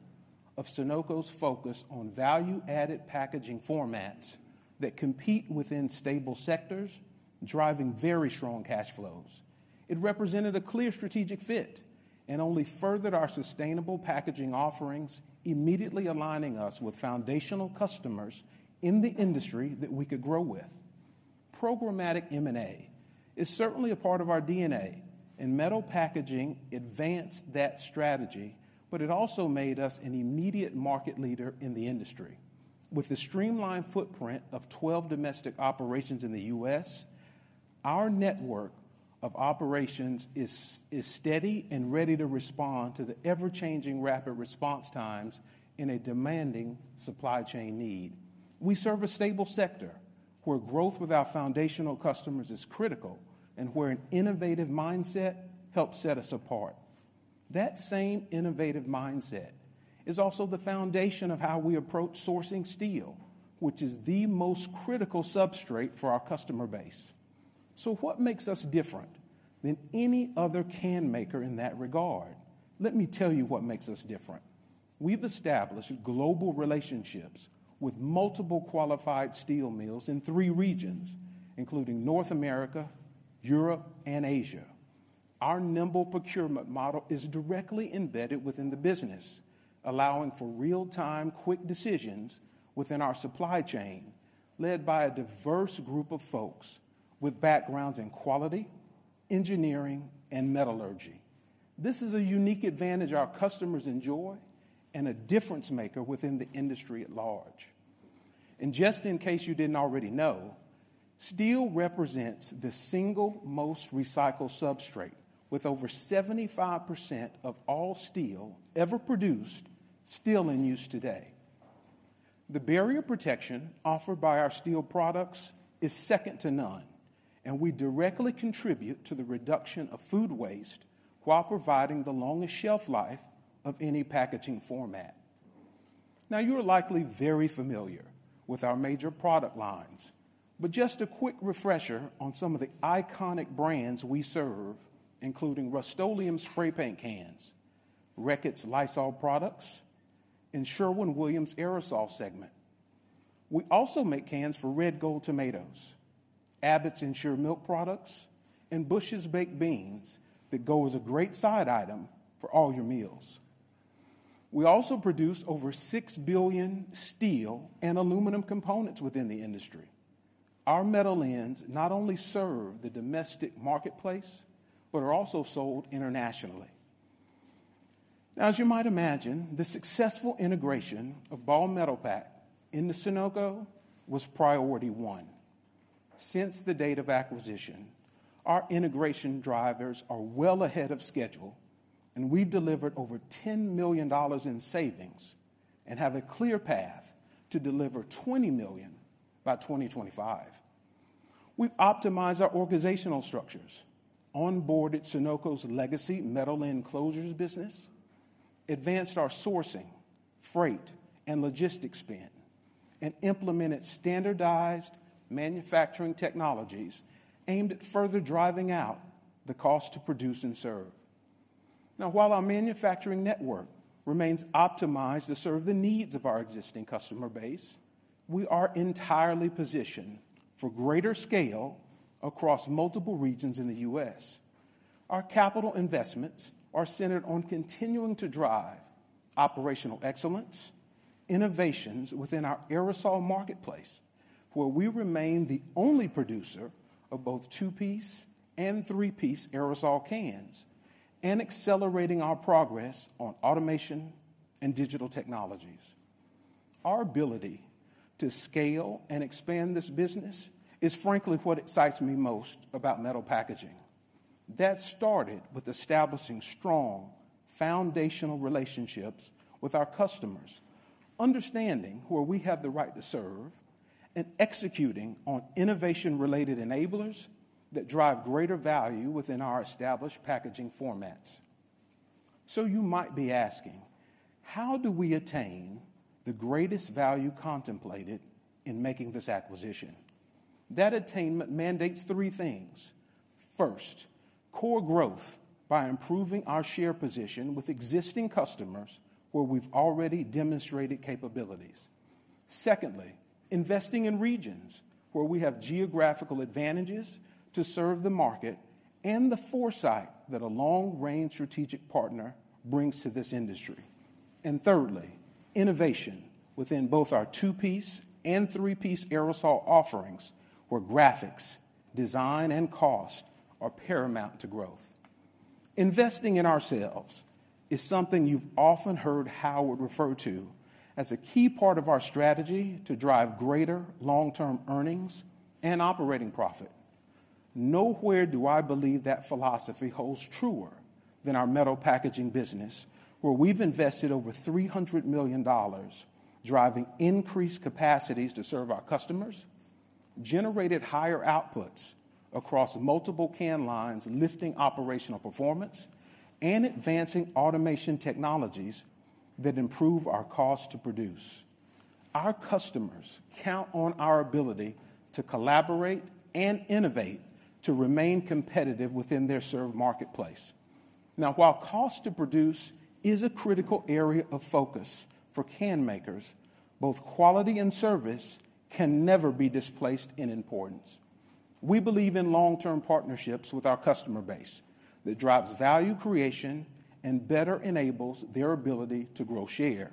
of Sonoco's focus on value-added packaging formats that compete within stable sectors, driving very strong cash flows. It represented a clear strategic fit and only furthered our sustainable packaging offerings, immediately aligning us with foundational customers in the industry that we could grow with. Programmatic M&A is certainly a part of our DNA, and metal packaging advanced that strategy, but it also made us an immediate market leader in the industry. With the streamlined footprint of 12 domestic operations in the U.S., our network of operations is steady and ready to respond to the ever-changing, rapid response times in a demanding supply chain need. We serve a stable sector, where growth with our foundational customers is critical and where an innovative mindset helps set us apart. That same innovative mindset is also the foundation of how we approach sourcing steel, which is the most critical substrate for our customer base. So what makes us different than any other can maker in that regard? Let me tell you what makes us different. We've established global relationships with multiple qualified steel mills in 3 regions, including North America, Europe, and Asia. Our nimble procurement model is directly embedded within the business, allowing for real-time, quick decisions within our supply chain, led by a diverse group of folks with backgrounds in quality, engineering, and metallurgy. This is a unique advantage our customers enjoy and a difference-maker within the industry at large. And just in case you didn't already know, steel represents the single most recycled substrate, with over 75% of all steel ever produced still in use today. The barrier protection offered by our steel products is second to none, and we directly contribute to the reduction of food waste while providing the longest shelf life of any packaging format. Now, you are likely very familiar with our major product lines, but just a quick refresher on some of the iconic brands we serve, including Rust-Oleum spray paint cans, Reckitt's Lysol products, and Sherwin-Williams aerosol segment.... We also make cans for Red Gold tomatoes, Abbott's Ensure milk products, and Bush's Baked Beans that go as a great side item for all your meals. We also produce over 6 billion steel and aluminum components within the industry. Our metal ends not only serve the domestic marketplace, but are also sold internationally. Now, as you might imagine, the successful integration of Ball Metalpack into Sonoco was priority one. Since the date of acquisition, our integration drivers are well ahead of schedule, and we've delivered over $10 million in savings and have a clear path to deliver $20 million by 2025. We've optimized our organizational structures, onboarded Sonoco's legacy metal enclosures business, advanced our sourcing, freight, and logistics spend, and implemented standardized manufacturing technologies aimed at further driving out the cost to produce and serve. Now, while our manufacturing network remains optimized to serve the needs of our existing customer base, we are entirely positioned for greater scale across multiple regions in the U.S. Our capital investments are centered on continuing to drive operational excellence, innovations within our aerosol marketplace, where we remain the only producer of both two-piece and three-piece aerosol cans, and accelerating our progress on automation and digital technologies. Our ability to scale and expand this business is frankly what excites me most about metal packaging. That started with establishing strong foundational relationships with our customers, understanding who we have the right to serve, and executing on innovation-related enablers that drive greater value within our established packaging formats. So you might be asking, how do we attain the greatest value contemplated in making this acquisition? That attainment mandates three things. First, core growth by improving our share position with existing customers where we've already demonstrated capabilities. Secondly, investing in regions where we have geographical advantages to serve the market and the foresight that a long-range strategic partner brings to this industry. And thirdly, innovation within both our two-piece and three-piece aerosol offerings, where graphics, design, and cost are paramount to growth. Investing in ourselves is something you've often heard Howard refer to as a key part of our strategy to drive greater long-term earnings and operating profit. Nowhere do I believe that philosophy holds truer than our metal packaging business, where we've invested over $300 million, driving increased capacities to serve our customers, generated higher outputs across multiple can lines, lifting operational performance, and advancing automation technologies that improve our cost to produce. Our customers count on our ability to collaborate and innovate to remain competitive within their served marketplace. Now, while cost to produce is a critical area of focus for can makers, both quality and service can never be displaced in importance. We believe in long-term partnerships with our customer base that drives value creation and better enables their ability to grow share.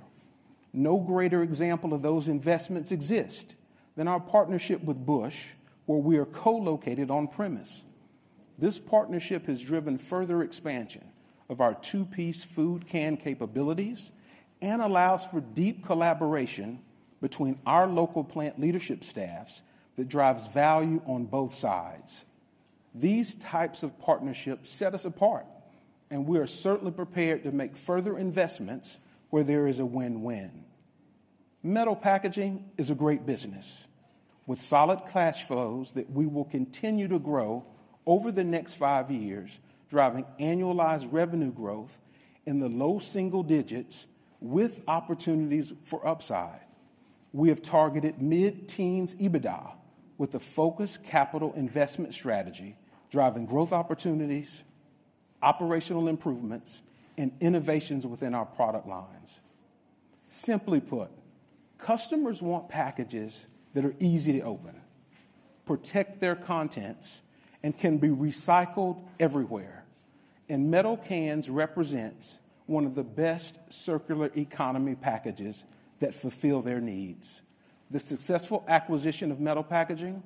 No greater example of those investments exist than our partnership with Bush's, where we are co-located on premise. This partnership has driven further expansion of our two-piece food can capabilities and allows for deep collaboration between our local plant leadership staffs that drives value on both sides. These types of partnerships set us apart, and we are certainly prepared to make further investments where there is a win-win. Metal packaging is a great business with solid cash flows that we will continue to grow over the next 5 years, driving annualized revenue growth in the low single digits with opportunities for upside. We have targeted mid-teens EBITDA with a focused capital investment strategy, driving growth opportunities, operational improvements, and innovations within our product lines. Simply put, customers want packages that are easy to open, protect their contents, and can be recycled everywhere. Metal cans represents one of the best circular economy packages that fulfill their needs. The successful acquisition of metal packaging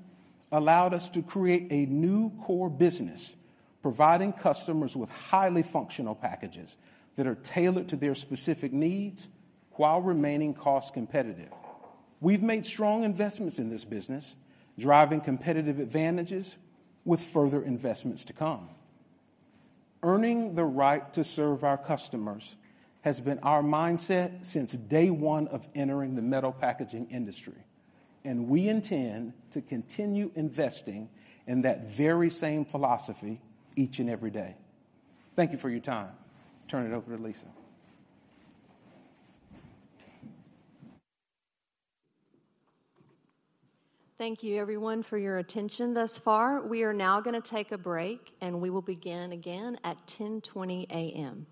allowed us to create a new core business, providing customers with highly functional packages that are tailored to their specific needs while remaining cost-competitive. We've made strong investments in this business, driving competitive advantages with further investments to come. Earning the right to serve our customers has been our mindset since day one of entering the metal packaging industry, and we intend to continue investing in that very same philosophy each and every day. Thank you for your time. Turn it over to Lisa. Thank you, everyone, for your attention thus far. We are now gonna take a break, and we will begin again at 10:20 A.M.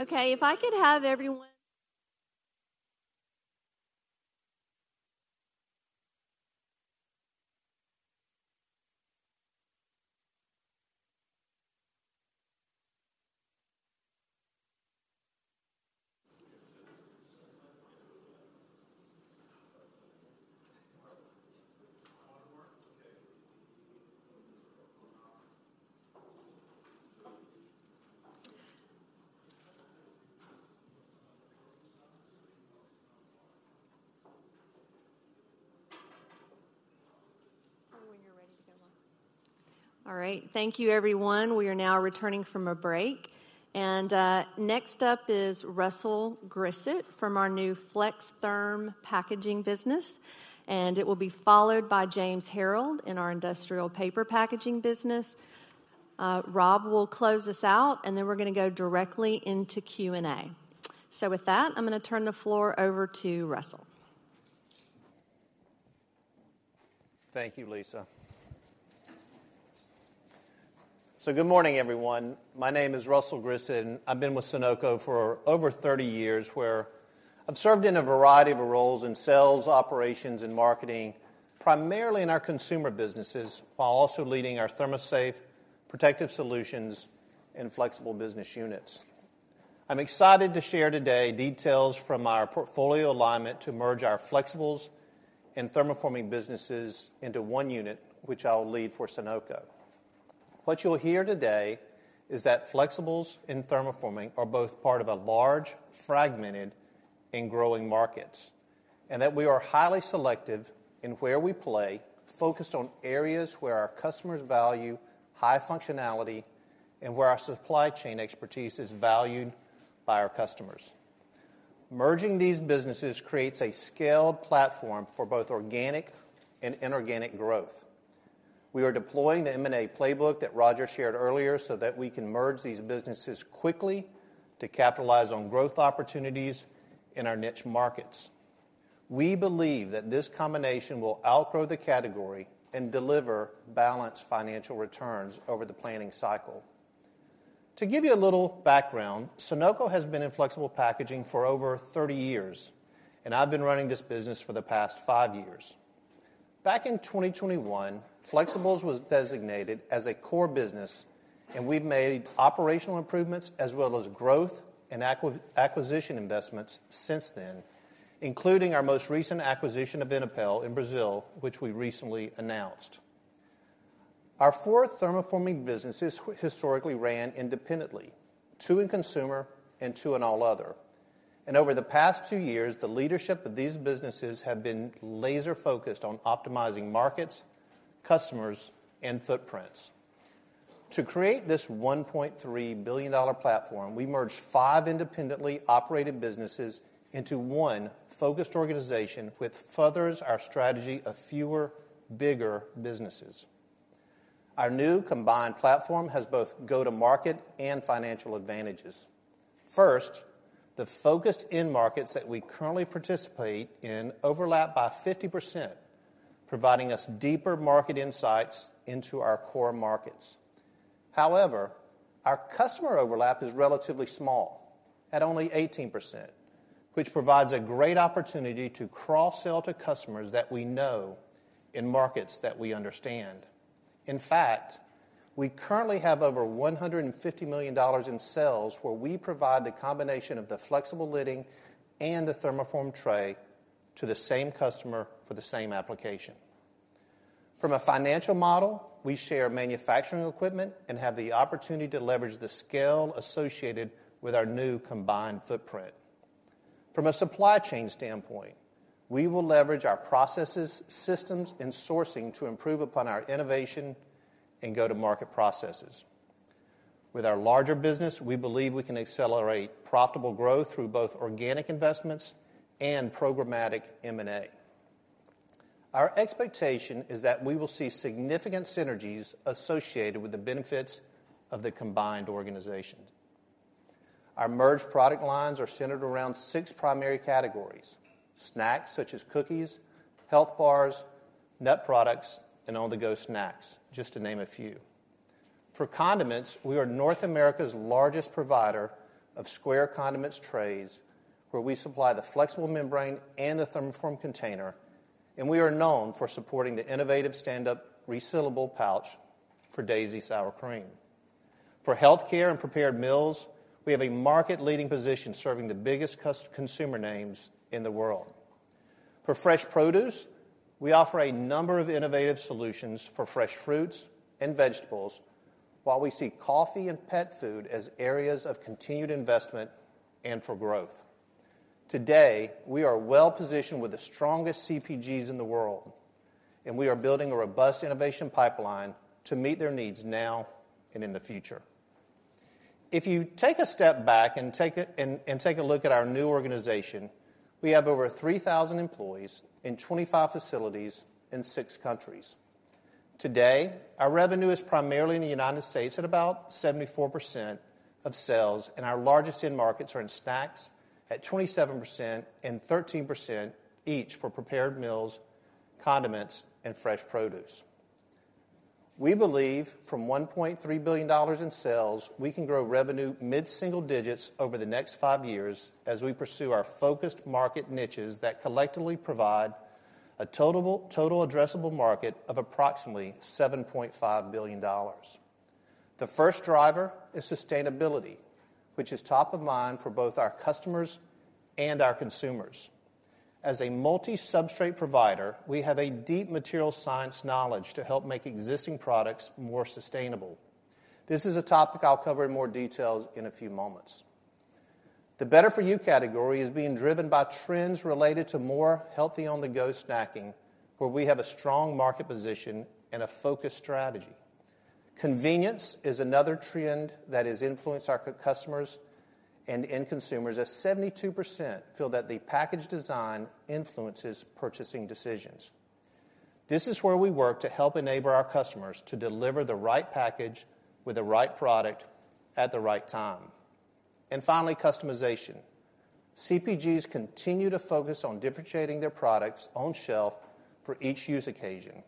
Okay, if I could have everyone. All right. Thank you, everyone. We are now returning from a break, and next up is Russell Grissett from our new FlexTherm Packaging business, and it will be followed by James Harrell in our Industrial Paper Packaging business. Rob will close us out, and then we're going to go directly into Q&A. So with that, I'm going to turn the floor over to Russell. Thank you, Lisa. So good morning, everyone. My name is Russell Grissett, and I've been with Sonoco for over 30 years, where I've served in a variety of roles in sales, operations, and marketing, primarily in our consumer businesses, while also leading our ThermoSafe, Protective Solutions, and Flexible business units. I'm excited to share today details from our portfolio alignment to merge our Flexibles and Thermoforming businesses into one unit, which I'll lead for Sonoco. What you'll hear today is that Flexibles and Thermoforming are both part of a large, fragmented, and growing markets, and that we are highly selective in where we play, focused on areas where our customers value high functionality and where our supply chain expertise is valued by our customers. Merging these businesses creates a scaled platform for both organic and inorganic growth. We are deploying the M&A playbook that Rodger shared earlier so that we can merge these businesses quickly to capitalize on growth opportunities in our niche markets. We believe that this combination will outgrow the category and deliver balanced financial returns over the planning cycle. To give you a little background, Sonoco has been in flexible packaging for over 30 years, and I've been running this business for the past 5 years. Back in 2021, Flexibles was designated as a core business, and we've made operational improvements, as well as growth and acquisition investments since then, including our most recent acquisition of Inapel in Brazil, which we recently announced. Our four thermoforming businesses historically ran independently, two in consumer and two in all other, and over the past 2 years, the leadership of these businesses have been laser-focused on optimizing markets, customers, and footprints. To create this $1.3 billion platform, we merged five independently operated businesses into one focused organization, which furthers our strategy of fewer, bigger businesses. Our new combined platform has both go-to-market and financial advantages. First, the focused end markets that we currently participate in overlap by 50%, providing us deeper market insights into our core markets. However, our customer overlap is relatively small, at only 18%, which provides a great opportunity to cross-sell to customers that we know in markets that we understand. In fact, we currently have over $150 million in sales, where we provide the combination of the flexible lidding and the thermoformed tray to the same customer for the same application. From a financial model, we share manufacturing equipment and have the opportunity to leverage the scale associated with our new combined footprint. From a supply chain standpoint, we will leverage our processes, systems, and sourcing to improve upon our innovation and go-to-market processes. With our larger business, we believe we can accelerate profitable growth through both organic investments and programmatic M&A. Our expectation is that we will see significant synergies associated with the benefits of the combined organization.... Our merged product lines are centered around six primary categories: snacks, such as cookies, health bars, nut products, and on-the-go snacks, just to name a few. For condiments, we are North America's largest provider of square condiments trays, where we supply the flexible membrane and the thermoform container, and we are known for supporting the innovative stand-up, resealable pouch for Daisy Sour Cream. For healthcare and prepared meals, we have a market-leading position, serving the biggest consumer names in the world. For fresh produce, we offer a number of innovative solutions for fresh fruits and vegetables, while we see coffee and pet food as areas of continued investment and for growth. Today, we are well positioned with the strongest CPGs in the world, and we are building a robust innovation pipeline to meet their needs now and in the future. If you take a step back and take a look at our new organization, we have over three thousand employees in 25 facilities in six countries. Today, our revenue is primarily in the United States at about 74% of sales, and our largest end markets are in snacks at 27% and 13% each for prepared meals, condiments, and fresh produce. We believe from $1.3 billion in sales, we can grow revenue mid-single digits over the next 5 years as we pursue our focused market niches that collectively provide a total addressable market of approximately $7.5 billion. The first driver is sustainability, which is top of mind for both our customers and our consumers. As a multi-substrate provider, we have a deep material science knowledge to help make existing products more sustainable. This is a topic I'll cover in more details in a few moments. The better-for-you category is being driven by trends related to more healthy, on-the-go snacking, where we have a strong market position and a focused strategy. Convenience is another trend that has influenced our customers and end consumers, as 72% feel that the package design influences purchasing decisions. This is where we work to help enable our customers to deliver the right package with the right product at the right time. And finally, customization. CPGs continue to focus on differentiating their products on shelf for each use occasion,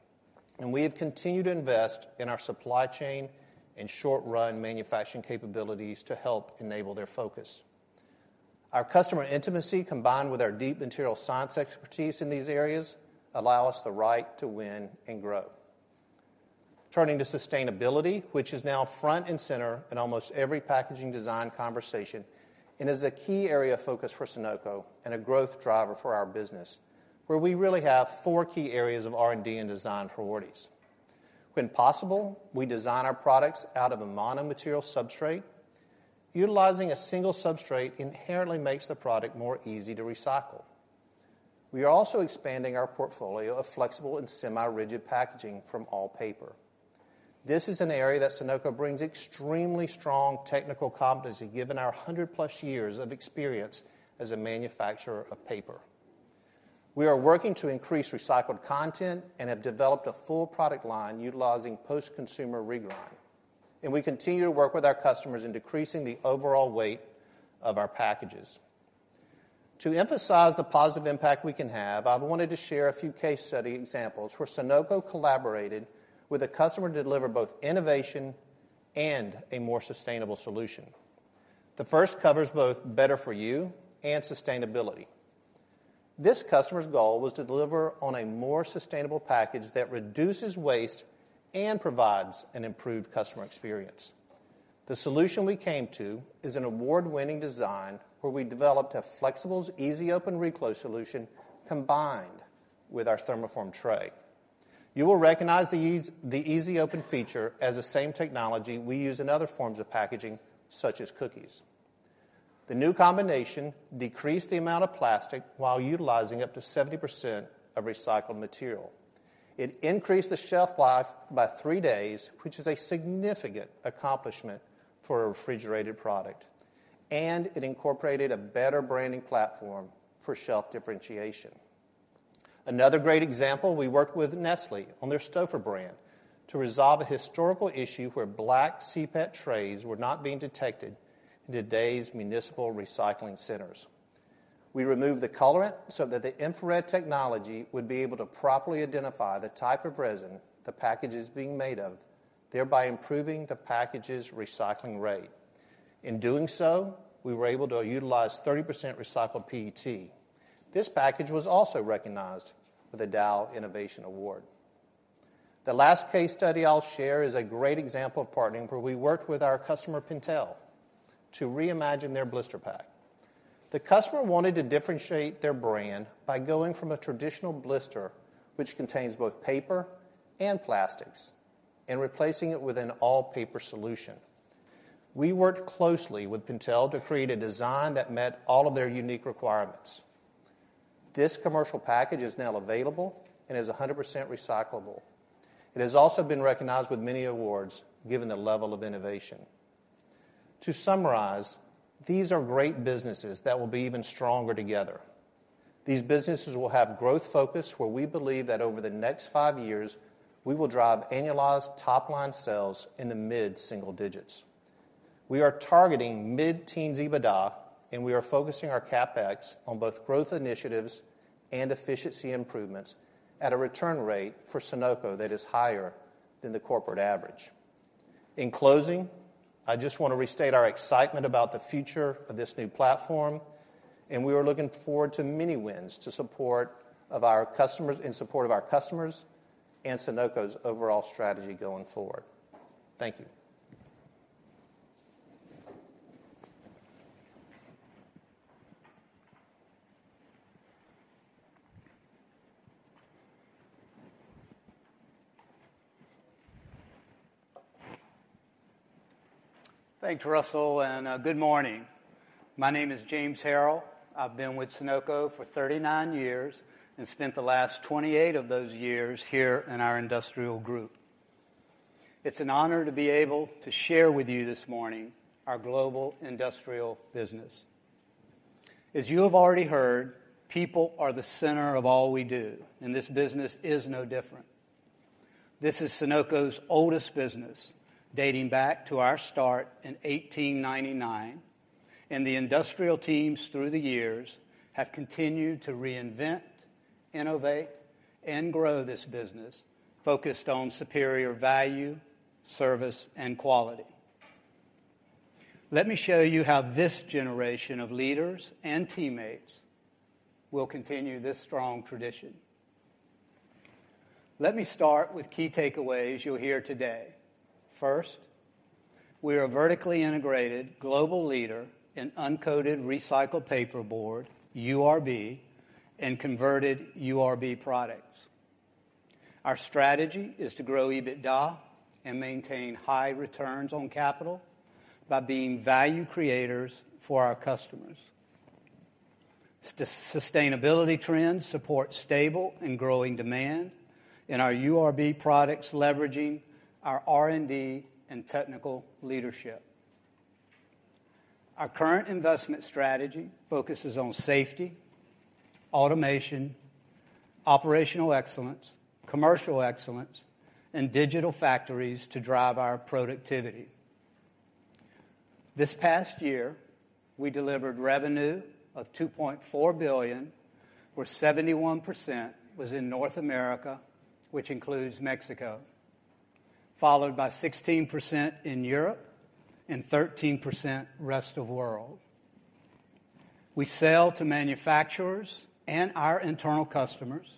and we have continued to invest in our supply chain and short-run manufacturing capabilities to help enable their focus. Our customer intimacy, combined with our deep material science expertise in these areas, allow us the right to win and grow. Turning to sustainability, which is now front and center in almost every packaging design conversation and is a key area of focus for Sonoco and a growth driver for our business, where we really have four key areas of R&D and design priorities. When possible, we design our products out of a mono material substrate. Utilizing a single substrate inherently makes the product more easy to recycle. We are also expanding our portfolio of flexible and semi-rigid packaging from all paper. This is an area that Sonoco brings extremely strong technical competency, given our 100+ years of experience as a manufacturer of paper. We are working to increase recycled content and have developed a full product line utilizing post-consumer regrind, and we continue to work with our customers in decreasing the overall weight of our packages. To emphasize the positive impact we can have, I wanted to share a few case study examples where Sonoco collaborated with a customer to deliver both innovation and a more sustainable solution. The first covers both better for you and sustainability. This customer's goal was to deliver on a more sustainable package that reduces waste and provides an improved customer experience. The solution we came to is an award-winning design, where we developed a flexible, easy-open, reclose solution combined with our thermoform tray. You will recognize the ease, the easy-open feature as the same technology we use in other forms of packaging, such as cookies. The new combination decreased the amount of plastic while utilizing up to 70% of recycled material. It increased the shelf life by 3 days, which is a significant accomplishment for a refrigerated product, and it incorporated a better branding platform for shelf differentiation. Another great example, we worked with Nestlé on their Stouffer's brand to resolve a historical issue where black CPET trays were not being detected in today's municipal recycling centers. We removed the colorant so that the infrared technology would be able to properly identify the type of resin the package is being made of, thereby improving the package's recycling rate. In doing so, we were able to utilize 30% recycled PET. This package was also recognized with a Dow Innovation Award. The last case study I'll share is a great example of partnering, where we worked with our customer, Pentel, to reimagine their blister pack. The customer wanted to differentiate their brand by going from a traditional blister, which contains both paper and plastics, and replacing it with an all-paper solution. We worked closely with Pentel to create a design that met all of their unique requirements. This commercial package is now available and is 100% recyclable. It has also been recognized with many awards, given the level of innovation. To summarize, these are great businesses that will be even stronger together.... These businesses will have growth focus, where we believe that over the next 5 years, we will drive annualized top-line sales in the mid-single digits. We are targeting mid-teens EBITDA, and we are focusing our CapEx on both growth initiatives and efficiency improvements at a return rate for Sonoco that is higher than the corporate average. In closing, I just want to restate our excitement about the future of this new platform, and we are looking forward to many wins in support of our customers and Sonoco's overall strategy going forward. Thank you. Thanks, Russell, and good morning. My name is James Harrell. I've been with Sonoco for 39 years and spent the last 28 of those years here in our industrial group. It's an honor to be able to share with you this morning our global industrial business. As you have already heard, people are the center of all we do, and this business is no different. This is Sonoco's oldest business, dating back to our start in 1899, and the industrial teams through the years have continued to reinvent, innovate, and grow this business, focused on superior value, service, and quality. Let me show you how this generation of leaders and teammates will continue this strong tradition. Let me start with key takeaways you'll hear today. First, we are a vertically integrated global leader in uncoated recycled paperboard, URB, and converted URB products. Our strategy is to grow EBITDA and maintain high returns on capital by being value creators for our customers. Sustainability trends support stable and growing demand in our URB products, leveraging our R&D and technical leadership. Our current investment strategy focuses on safety, automation, operational excellence, commercial excellence, and digital factories to drive our productivity. This past year, we delivered revenue of $2.4 billion, where 71% was in North America, which includes Mexico, followed by 16% in Europe and 13% rest of world. We sell to manufacturers and our internal customers,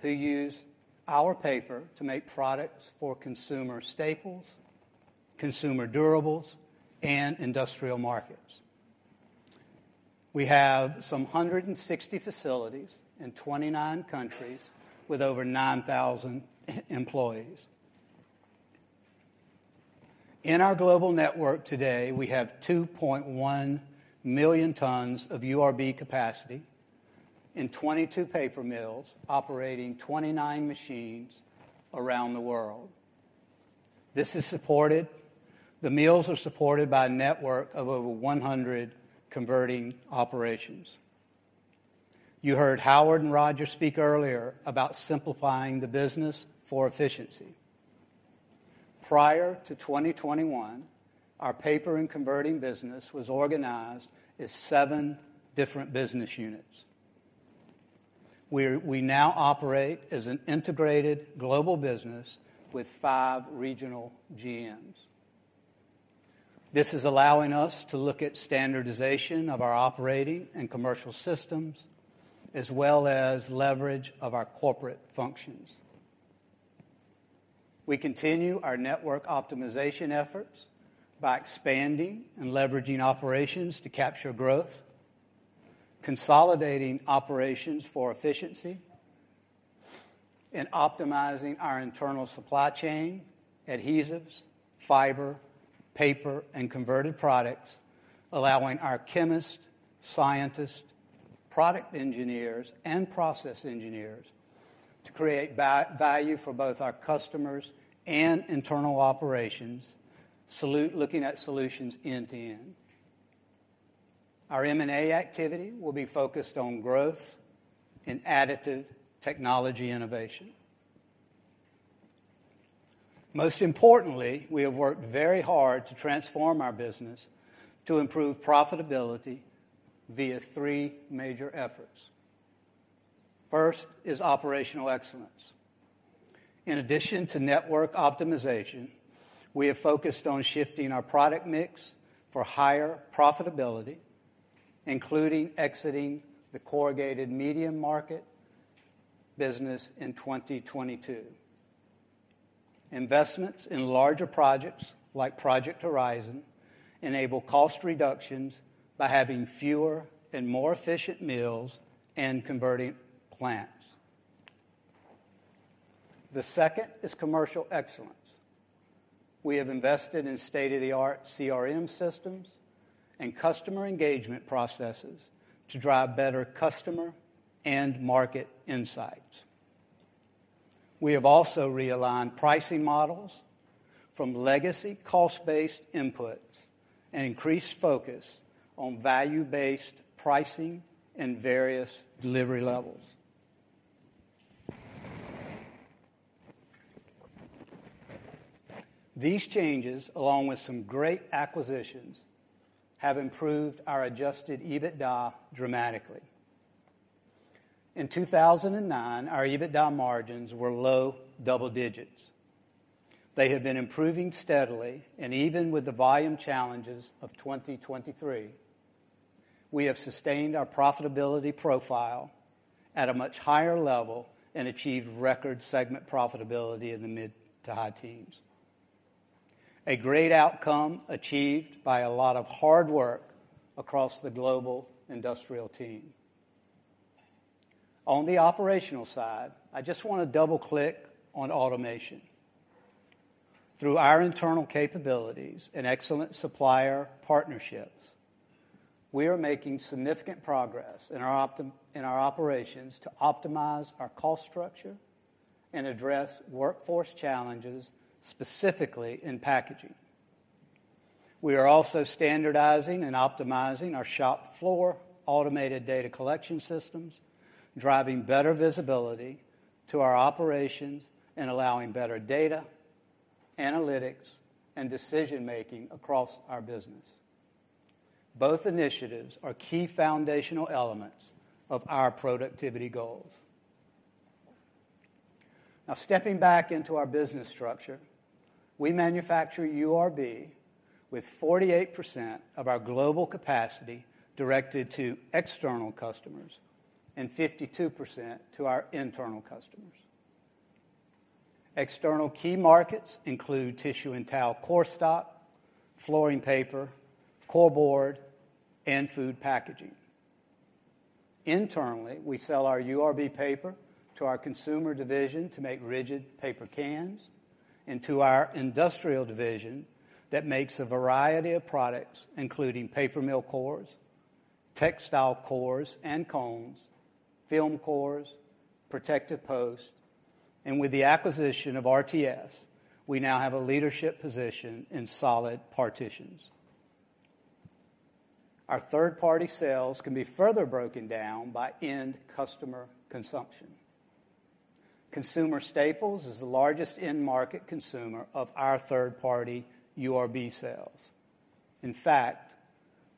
who use our paper to make products for consumer staples, consumer durables, and industrial markets. We have some 160 facilities in 29 countries with over 9,000 employees. In our global network today, we have 2.1 million tons of URB capacity in 22 paper mills operating 29 machines around the world. This is supported. The mills are supported by a network of over 100 converting operations. You heard Howard and Rodger speak earlier about simplifying the business for efficiency. Prior to 2021, our paper and converting business was organized as 7 different business units. We're, we now operate as an integrated global business with 5 regional GMs. This is allowing us to look at standardization of our operating and commercial systems, as well as leverage of our corporate functions. We continue our network optimization efforts by expanding and leveraging operations to capture growth, consolidating operations for efficiency, and optimizing our internal supply chain, adhesives, fiber, paper, and converted products, allowing our chemists, scientists, product engineers, and process engineers to create value for both our customers and internal operations, looking at solutions end to end. Our M&A activity will be focused on growth and additive technology innovation. Most importantly, we have worked very hard to transform our business to improve profitability via three major efforts. First is operational excellence. In addition to network optimization, we have focused on shifting our product mix for higher profitability, including exiting the corrugated medium market business in 2022. Investments in larger projects, like Project Horizon, enable cost reductions by having fewer and more efficient mills and converting plants. The second is commercial excellence. We have invested in state-of-the-art CRM systems and customer engagement processes to drive better customer and market insights... We have also realigned pricing models from legacy cost-based inputs and increased focus on value-based pricing and various delivery levels. These changes, along with some great acquisitions, have improved our Adjusted EBITDA dramatically. In 2009, our EBITDA margins were low double digits. They have been improving steadily, and even with the volume challenges of 2023, we have sustained our profitability profile at a much higher level and achieved record segment profitability in the mid to high teens. A great outcome achieved by a lot of hard work across the global industrial team. On the operational side, I just want to double-click on automation. Through our internal capabilities and excellent supplier partnerships, we are making significant progress in our operations to optimize our cost structure and address workforce challenges, specifically in packaging. We are also standardizing and optimizing our shop floor automated data collection systems, driving better visibility to our operations and allowing better data, analytics, and decision-making across our business. Both initiatives are key foundational elements of our productivity goals. Now, stepping back into our business structure, we manufacture URB with 48% of our global capacity directed to external customers and 52% to our internal customers. External key markets include tissue and towel core stock, flooring paper, core board, and food packaging. Internally, we sell our URB paper to our consumer division to make rigid paper cans and to our industrial division that makes a variety of products, including paper mill cores, textile cores and cones, film cores, protective posts, and with the acquisition of RTS, we now have a leadership position in solid partitions. Our third-party sales can be further broken down by end customer consumption. Consumer Staples is the largest end-market consumer of our third-party URB sales. In fact,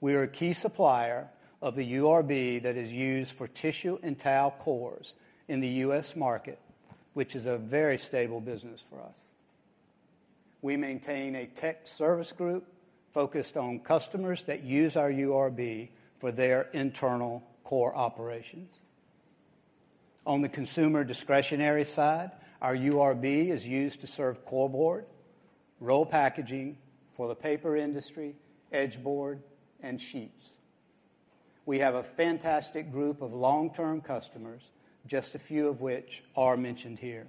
we are a key supplier of the URB that is used for tissue and towel cores in the U.S. market, which is a very stable business for us. We maintain a tech service group focused on customers that use our URB for their internal core operations. On the consumer discretionary side, our URB is used to serve core board, roll packaging for the paper industry, edge board, and sheets. We have a fantastic group of long-term customers, just a few of which are mentioned here.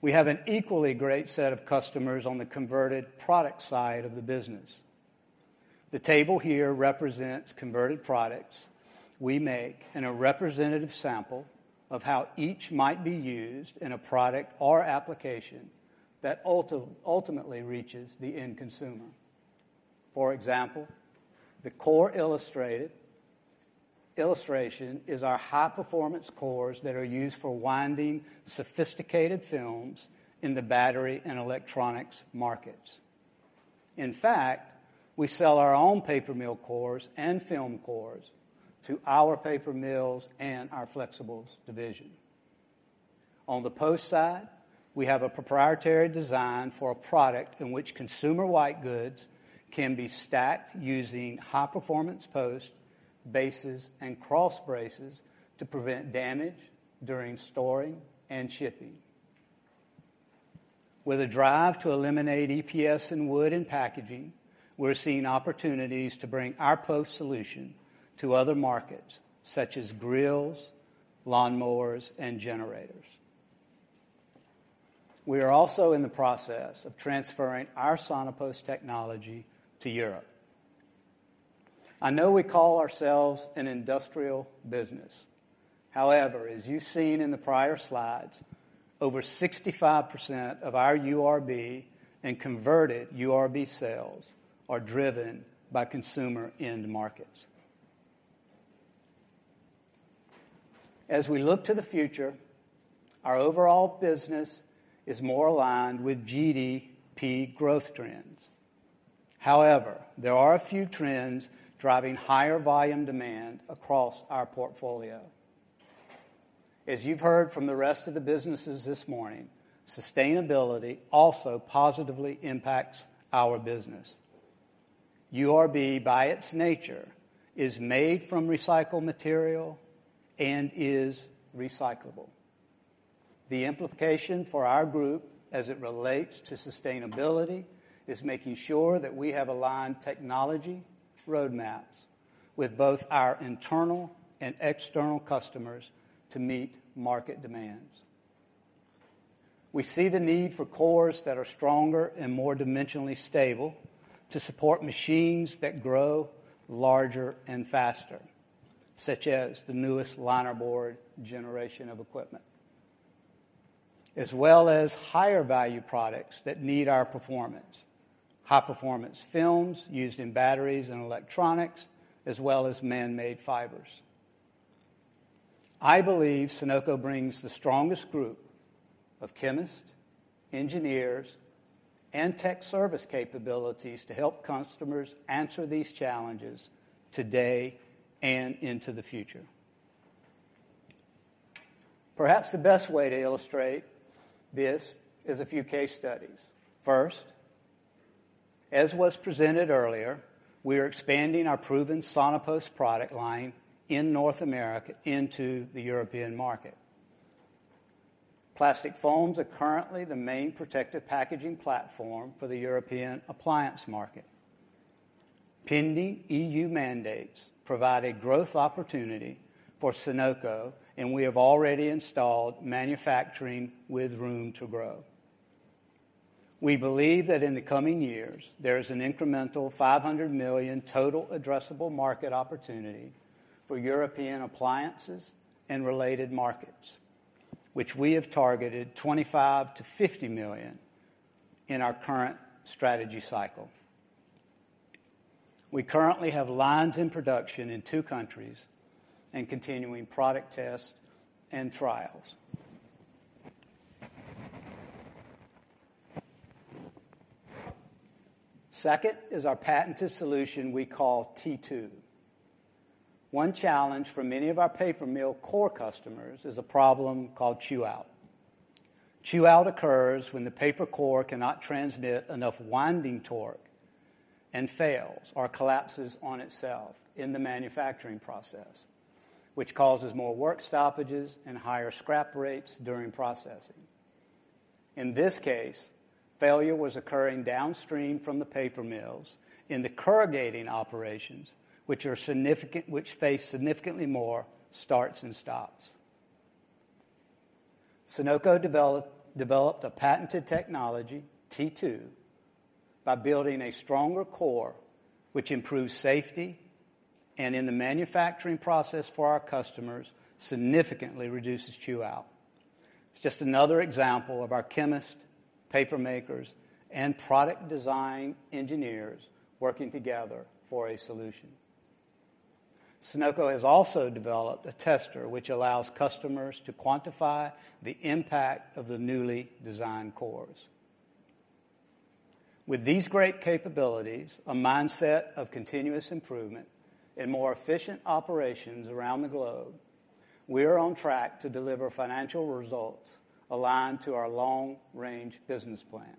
We have an equally great set of customers on the converted product side of the business. The table here represents converted products we make and a representative sample of how each might be used in a product or application that ultimately reaches the end consumer. For example, the core illustration is our high-performance cores that are used for winding sophisticated films in the battery and electronics markets. In fact, we sell our own paper mill cores and film cores to our paper mills and our flexibles division. On the post side, we have a proprietary design for a product in which consumer white goods can be stacked using high-performance posts, bases, and cross braces to prevent damage during storing and shipping. With a drive to eliminate EPS and wood in packaging, we're seeing opportunities to bring our post solution to other markets, such as grills, lawnmowers, and generators. We are also in the process of transferring our SonoPost technology to Europe. I know we call ourselves an industrial business. However, as you've seen in the prior slides, over 65% of our URB and converted URB sales are driven by consumer end markets. As we look to the future, our overall business is more aligned with GDP growth trends. However, there are a few trends driving higher volume demand across our portfolio. As you've heard from the rest of the businesses this morning, sustainability also positively impacts our business. URB, by its nature, is made from recycled material and is recyclable. The implication for our group as it relates to sustainability is making sure that we have aligned technology roadmaps with both our internal and external customers to meet market demands. We see the need for cores that are stronger and more dimensionally stable to support machines that grow larger and faster, such as the newest liner board generation of equipment, as well as higher value products that need our performance, high-performance films used in batteries and electronics, as well as man-made fibers. I believe Sonoco brings the strongest group of chemists, engineers, and tech service capabilities to help customers answer these challenges today and into the future. Perhaps the best way to illustrate this is a few case studies. First, as was presented earlier, we are expanding our proven SonoPost product line in North America into the European market. Plastic foams are currently the main protective packaging platform for the European appliance market. Pending EU mandates provide a growth opportunity for Sonoco, and we have already installed manufacturing with room to grow. We believe that in the coming years, there is an incremental $500 million total addressable market opportunity for European appliances and related markets, which we have targeted $25 million-$50 million in our current strategy cycle. We currently have lines in production in 2 countries and continuing product tests and trials. Second is our patented solution we call T2. One challenge for many of our paper mill core customers is a problem called Chew out. Chew out occurs when the paper core cannot transmit enough winding torque and fails or collapses on itself in the manufacturing process, which causes more work stoppages and higher scrap rates during processing. In this case, failure was occurring downstream from the paper mills in the corrugating operations, which are significant, which face significantly more starts and stops. Sonoco developed a patented technology, T2, by building a stronger core, which improves safety and in the manufacturing process for our customers, significantly reduces chew out. It's just another example of our chemists, paper makers, and product design engineers working together for a solution. Sonoco has also developed a tester, which allows customers to quantify the impact of the newly designed cores. With these great capabilities, a mindset of continuous improvement, and more efficient operations around the globe, we are on track to deliver financial results aligned to our long-range business plan.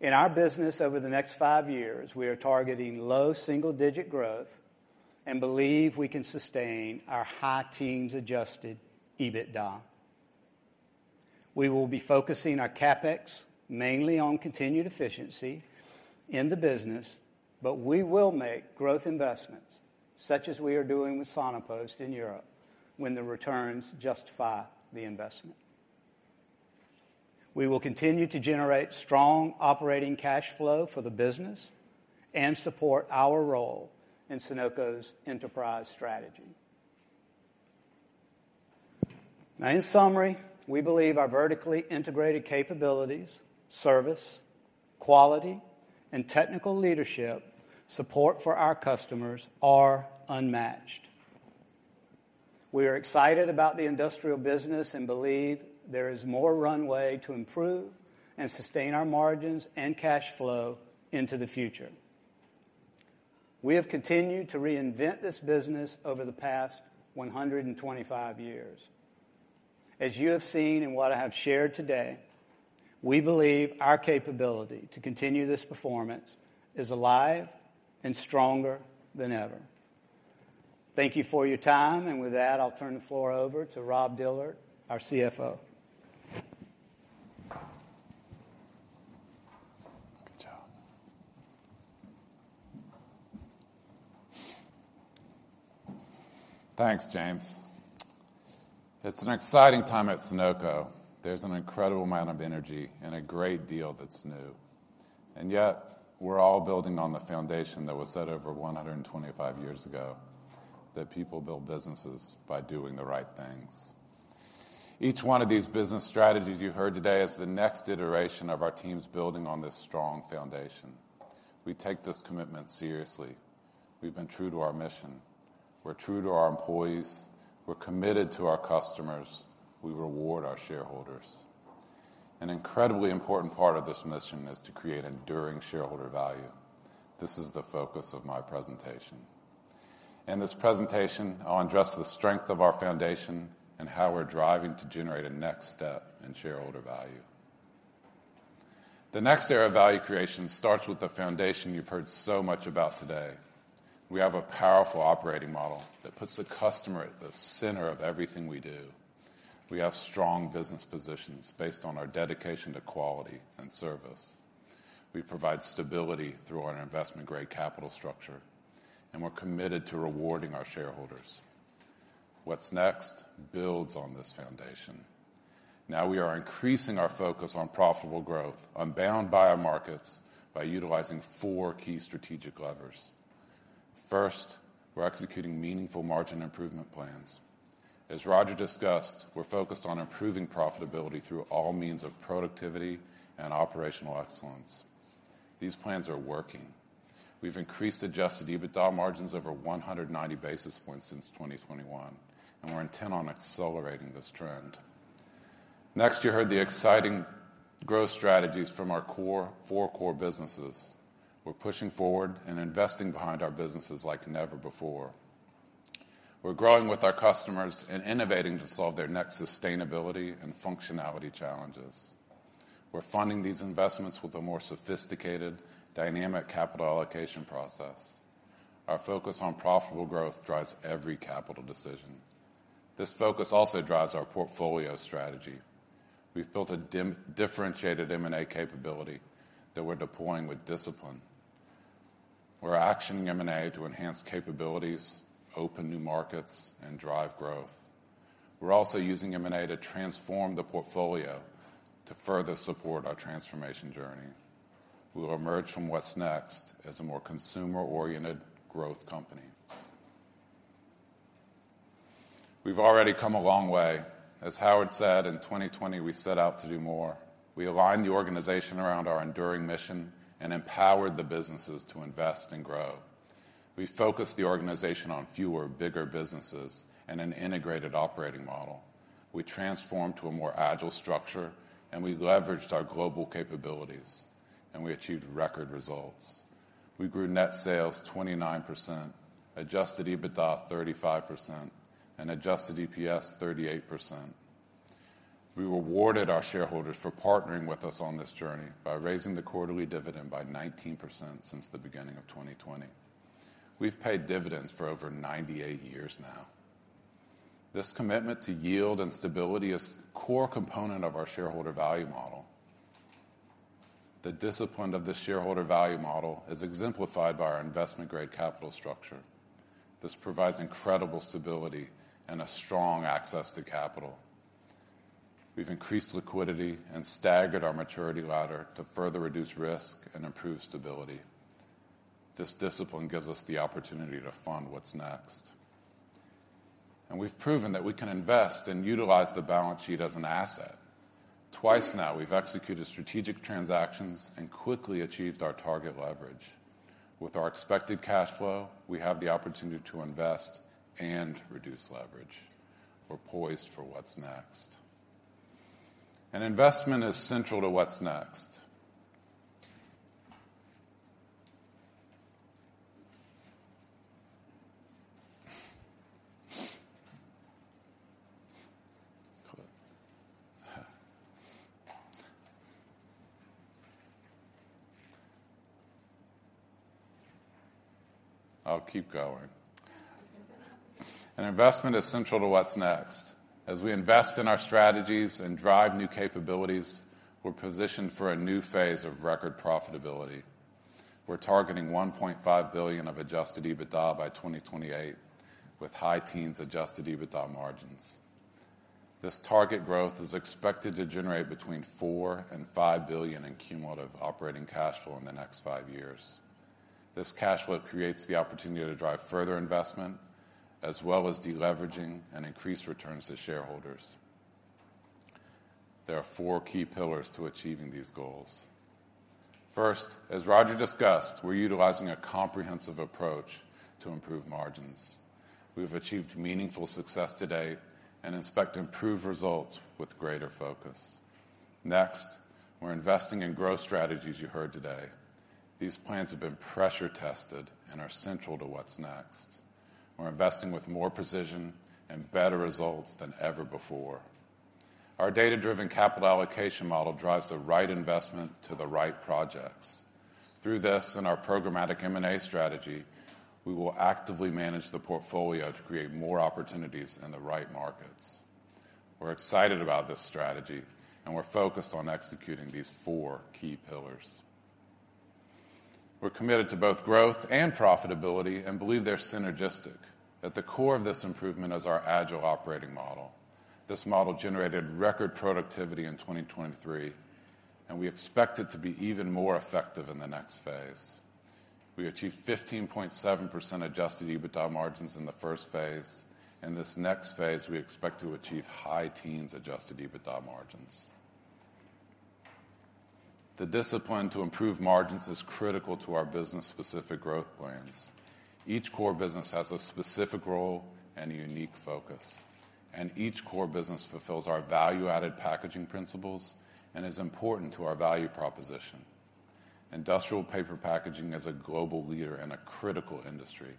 In our business over the next five years, we are targeting low single-digit growth and believe we can sustain our high teens adjusted EBITDA. We will be focusing our CapEx mainly on continued efficiency in the business, but we will make growth investments, such as we are doing with SonoPost in Europe, when the returns justify the investment. We will continue to generate strong operating cash flow for the business and support our role in Sonoco's enterprise strategy. Now, in summary, we believe our vertically integrated capabilities, service, quality, and technical leadership support for our customers are unmatched. We are excited about the industrial business and believe there is more runway to improve and sustain our margins and cash flow into the future. We have continued to reinvent this business over the past 125 years. As you have seen in what I have shared today, we believe our capability to continue this performance is alive and stronger than ever. Thank you for your time, and with that, I'll turn the floor over to Rob Dillard, our CFO. Good job. Thanks, James. It's an exciting time at Sonoco. There's an incredible amount of energy and a great deal that's new, and yet we're all building on the foundation that was set over 125 years ago, that people build businesses by doing the right things. Each one of these business strategies you heard today is the next iteration of our teams building on this strong foundation. We take this commitment seriously. We've been true to our mission. We're true to our employees. We're committed to our customers. We reward our shareholders. An incredibly important part of this mission is to create enduring shareholder value. This is the focus of my presentation. In this presentation, I'll address the strength of our foundation and how we're driving to generate a next step in shareholder value. The next era of value creation starts with the foundation you've heard so much about today. We have a powerful operating model that puts the customer at the center of everything we do. We have strong business positions based on our dedication to quality and service.... We provide stability through our investment-grade capital structure, and we're committed to rewarding our shareholders. What's next builds on this foundation. Now we are increasing our focus on profitable growth, unbound by our markets, by utilizing four key strategic levers. First, we're executing meaningful margin improvement plans. As Rodger discussed, we're focused on improving profitability through all means of productivity and operational excellence. These plans are working. We've increased adjusted EBITDA margins over 190 basis points since 2021, and we're intent on accelerating this trend. Next, you heard the exciting growth strategies from our core, four core businesses. We're pushing forward and investing behind our businesses like never before. We're growing with our customers and innovating to solve their next sustainability and functionality challenges. We're funding these investments with a more sophisticated, dynamic capital allocation process. Our focus on profitable growth drives every capital decision. This focus also drives our portfolio strategy. We've built a differentiated M&A capability that we're deploying with discipline. We're actioning M&A to enhance capabilities, open new markets, and drive growth. We're also using M&A to transform the portfolio to further support our transformation journey. We will emerge from what's next as a more consumer-oriented growth company. We've already come a long way. As Howard said, in 2020, we set out to do more. We aligned the organization around our enduring mission and empowered the businesses to invest and grow. We focused the organization on fewer, bigger businesses and an integrated operating model. We transformed to a more agile structure, and we leveraged our global capabilities, and we achieved record results. We grew net sales 29%, Adjusted EBITDA 35%, and adjusted EPS 38%. We rewarded our shareholders for partnering with us on this journey by raising the quarterly dividend by 19% since the beginning of 2020. We've paid dividends for over 98 years now. This commitment to yield and stability is a core component of our shareholder value model. The discipline of the shareholder value model is exemplified by our investment-grade capital structure. This provides incredible stability and a strong access to capital. We've increased liquidity and staggered our maturity ladder to further reduce risk and improve stability. This discipline gives us the opportunity to fund what's next, and we've proven that we can invest and utilize the balance sheet as an asset. Twice now, we've executed strategic transactions and quickly achieved our target leverage. With our expected cash flow, we have the opportunity to invest and reduce leverage. We're poised for what's next. And investment is central to what's next. I'll keep going. An investment is central to what's next. As we invest in our strategies and drive new capabilities, we're positioned for a new phase of record profitability. We're targeting $1.5 billion of Adjusted EBITDA by 2028, with high teens Adjusted EBITDA margins. This target growth is expected to generate between $4 billion and $5 billion in cumulative operating cash flow in the next five years. This cash flow creates the opportunity to drive further investment, as well as deleveraging and increased returns to shareholders. There are four key pillars to achieving these goals. First, as Rodger discussed, we're utilizing a comprehensive approach to improve margins. We've achieved meaningful success today and expect improved results with greater focus. Next, we're investing in growth strategies you heard today. These plans have been pressure-tested and are central to what's next. We're investing with more precision and better results than ever before. Our data-driven capital allocation model drives the right investment to the right projects. Through this and our programmatic M&A strategy, we will actively manage the portfolio to create more opportunities in the right markets. We're excited about this strategy, and we're focused on executing these four key pillars. We're committed to both growth and profitability and believe they're synergistic. At the core of this improvement is our agile operating model. This model generated record productivity in 2023, and we expect it to be even more effective in the next phase. We achieved 15.7% Adjusted EBITDA margins in the first phase. In this next phase, we expect to achieve high-teens Adjusted EBITDA margins. The discipline to improve margins is critical to our business-specific growth plans. Each core business has a specific role and a unique focus, and each core business fulfills our value-added packaging principles and is important to our value proposition. Industrial Paper Packaging is a global leader in a critical industry.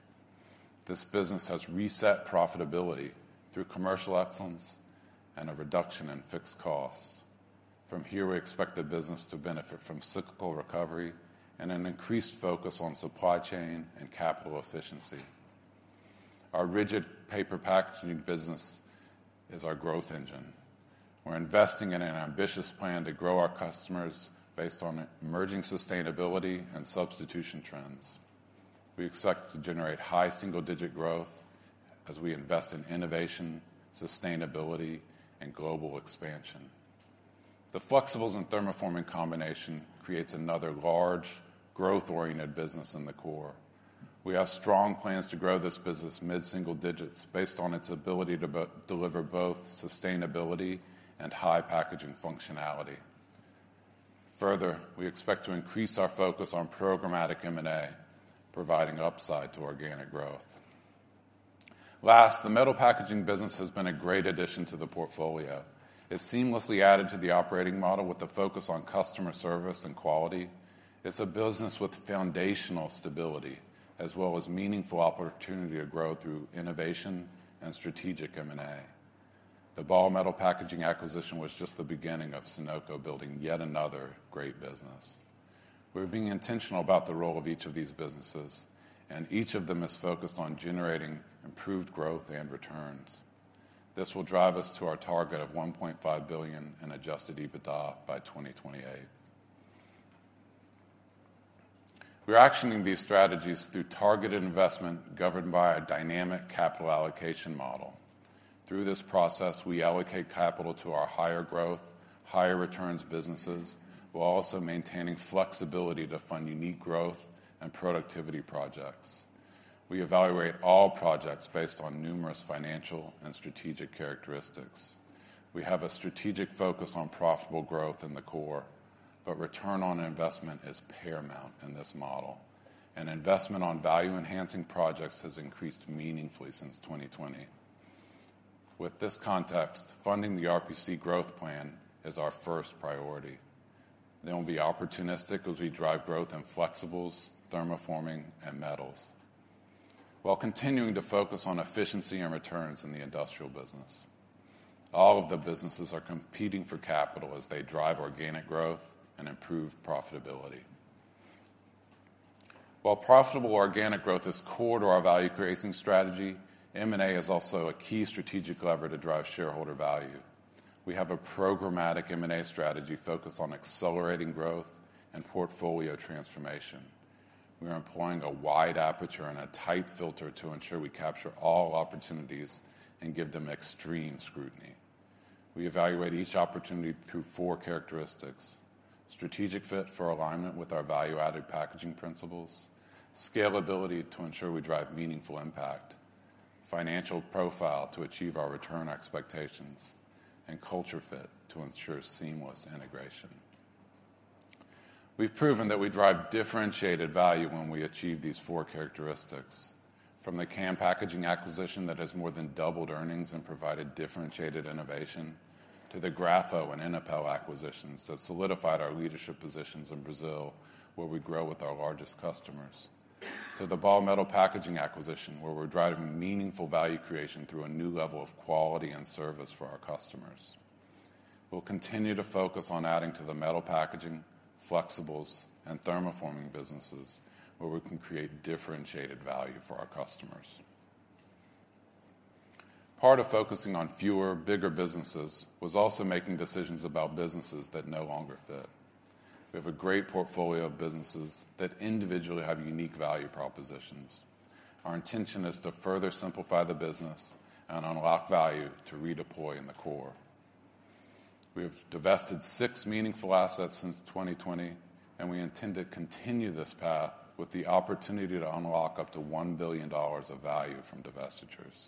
This business has reset profitability through commercial excellence and a reduction in fixed costs. From here, we expect the business to benefit from cyclical recovery and an increased focus on supply chain and capital efficiency.... Our rigid paper packaging business is our growth engine. We're investing in an ambitious plan to grow our customers based on emerging sustainability and substitution trends. We expect to generate high single-digit growth as we invest in innovation, sustainability, and global expansion. The flexibles and thermoforming combination creates another large, growth-oriented business in the core. We have strong plans to grow this business mid-single digits based on its ability to deliver both sustainability and high packaging functionality. Further, we expect to increase our focus on programmatic M&A, providing upside to organic growth. Last, the metal packaging business has been a great addition to the portfolio. It seamlessly added to the operating model with a focus on customer service and quality. It's a business with foundational stability, as well as meaningful opportunity to grow through innovation and strategic M&A. The Ball Metalpack acquisition was just the beginning of Sonoco building yet another great business. We're being intentional about the role of each of these businesses, and each of them is focused on generating improved growth and returns. This will drive us to our target of $1.5 billion in Adjusted EBITDA by 2028. We're actioning these strategies through targeted investment, governed by a dynamic capital allocation model. Through this process, we allocate capital to our higher growth, higher returns businesses, while also maintaining flexibility to fund unique growth and productivity projects. We evaluate all projects based on numerous financial and strategic characteristics. We have a strategic focus on profitable growth in the core, but return on investment is paramount in this model, and investment on value-enhancing projects has increased meaningfully since 2020. With this context, funding the RPC growth plan is our first priority. Then we'll be opportunistic as we drive growth in flexibles, thermoforming, and metals, while continuing to focus on efficiency and returns in the industrial business. All of the businesses are competing for capital as they drive organic growth and improve profitability. While profitable organic growth is core to our value-creating strategy, M&A is also a key strategic lever to drive shareholder value. We have a programmatic M&A strategy focused on accelerating growth and portfolio transformation. We are employing a wide aperture and a tight filter to ensure we capture all opportunities and give them extreme scrutiny. We evaluate each opportunity through four characteristics: strategic fit for alignment with our value-added packaging principles, scalability to ensure we drive meaningful impact, financial profile to achieve our return expectations, and culture fit to ensure seamless integration. We've proven that we drive differentiated value when we achieve these four characteristics. From the Can Packaging acquisition that has more than doubled earnings and provided differentiated innovation, to the Graffo and Inapel acquisitions that solidified our leadership positions in Brazil, where we grow with our largest customers, to the Ball Metalpack acquisition, where we're driving meaningful value creation through a new level of quality and service for our customers. We'll continue to focus on adding to the metal packaging, flexibles, and thermoforming businesses, where we can create differentiated value for our customers. Part of focusing on fewer, bigger businesses was also making decisions about businesses that no longer fit. We have a great portfolio of businesses that individually have unique value propositions. Our intention is to further simplify the business and unlock value to redeploy in the core. We have divested 6 meaningful assets since 2020, and we intend to continue this path with the opportunity to unlock up to $1 billion of value from divestitures.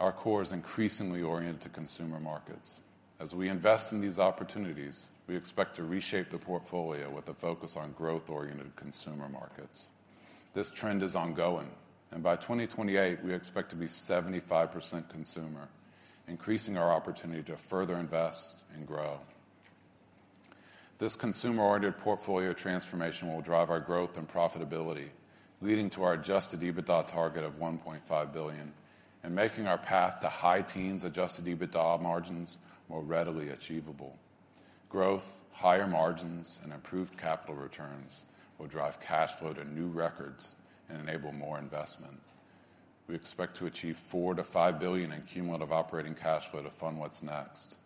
Our core is increasingly oriented to consumer markets. As we invest in these opportunities, we expect to reshape the portfolio with a focus on growth-oriented consumer markets. This trend is ongoing, and by 2028, we expect to be 75% consumer, increasing our opportunity to further invest and grow. This consumer-oriented portfolio transformation will drive our growth and profitability, leading to our adjusted EBITDA target of $1.5 billion and making our path to high teens adjusted EBITDA margins more readily achievable. Growth, higher margins, and improved capital returns will drive cash flow to new records and enable more investment. We expect to achieve $4 billion-$5 billion in cumulative operating cash flow to fund what's next.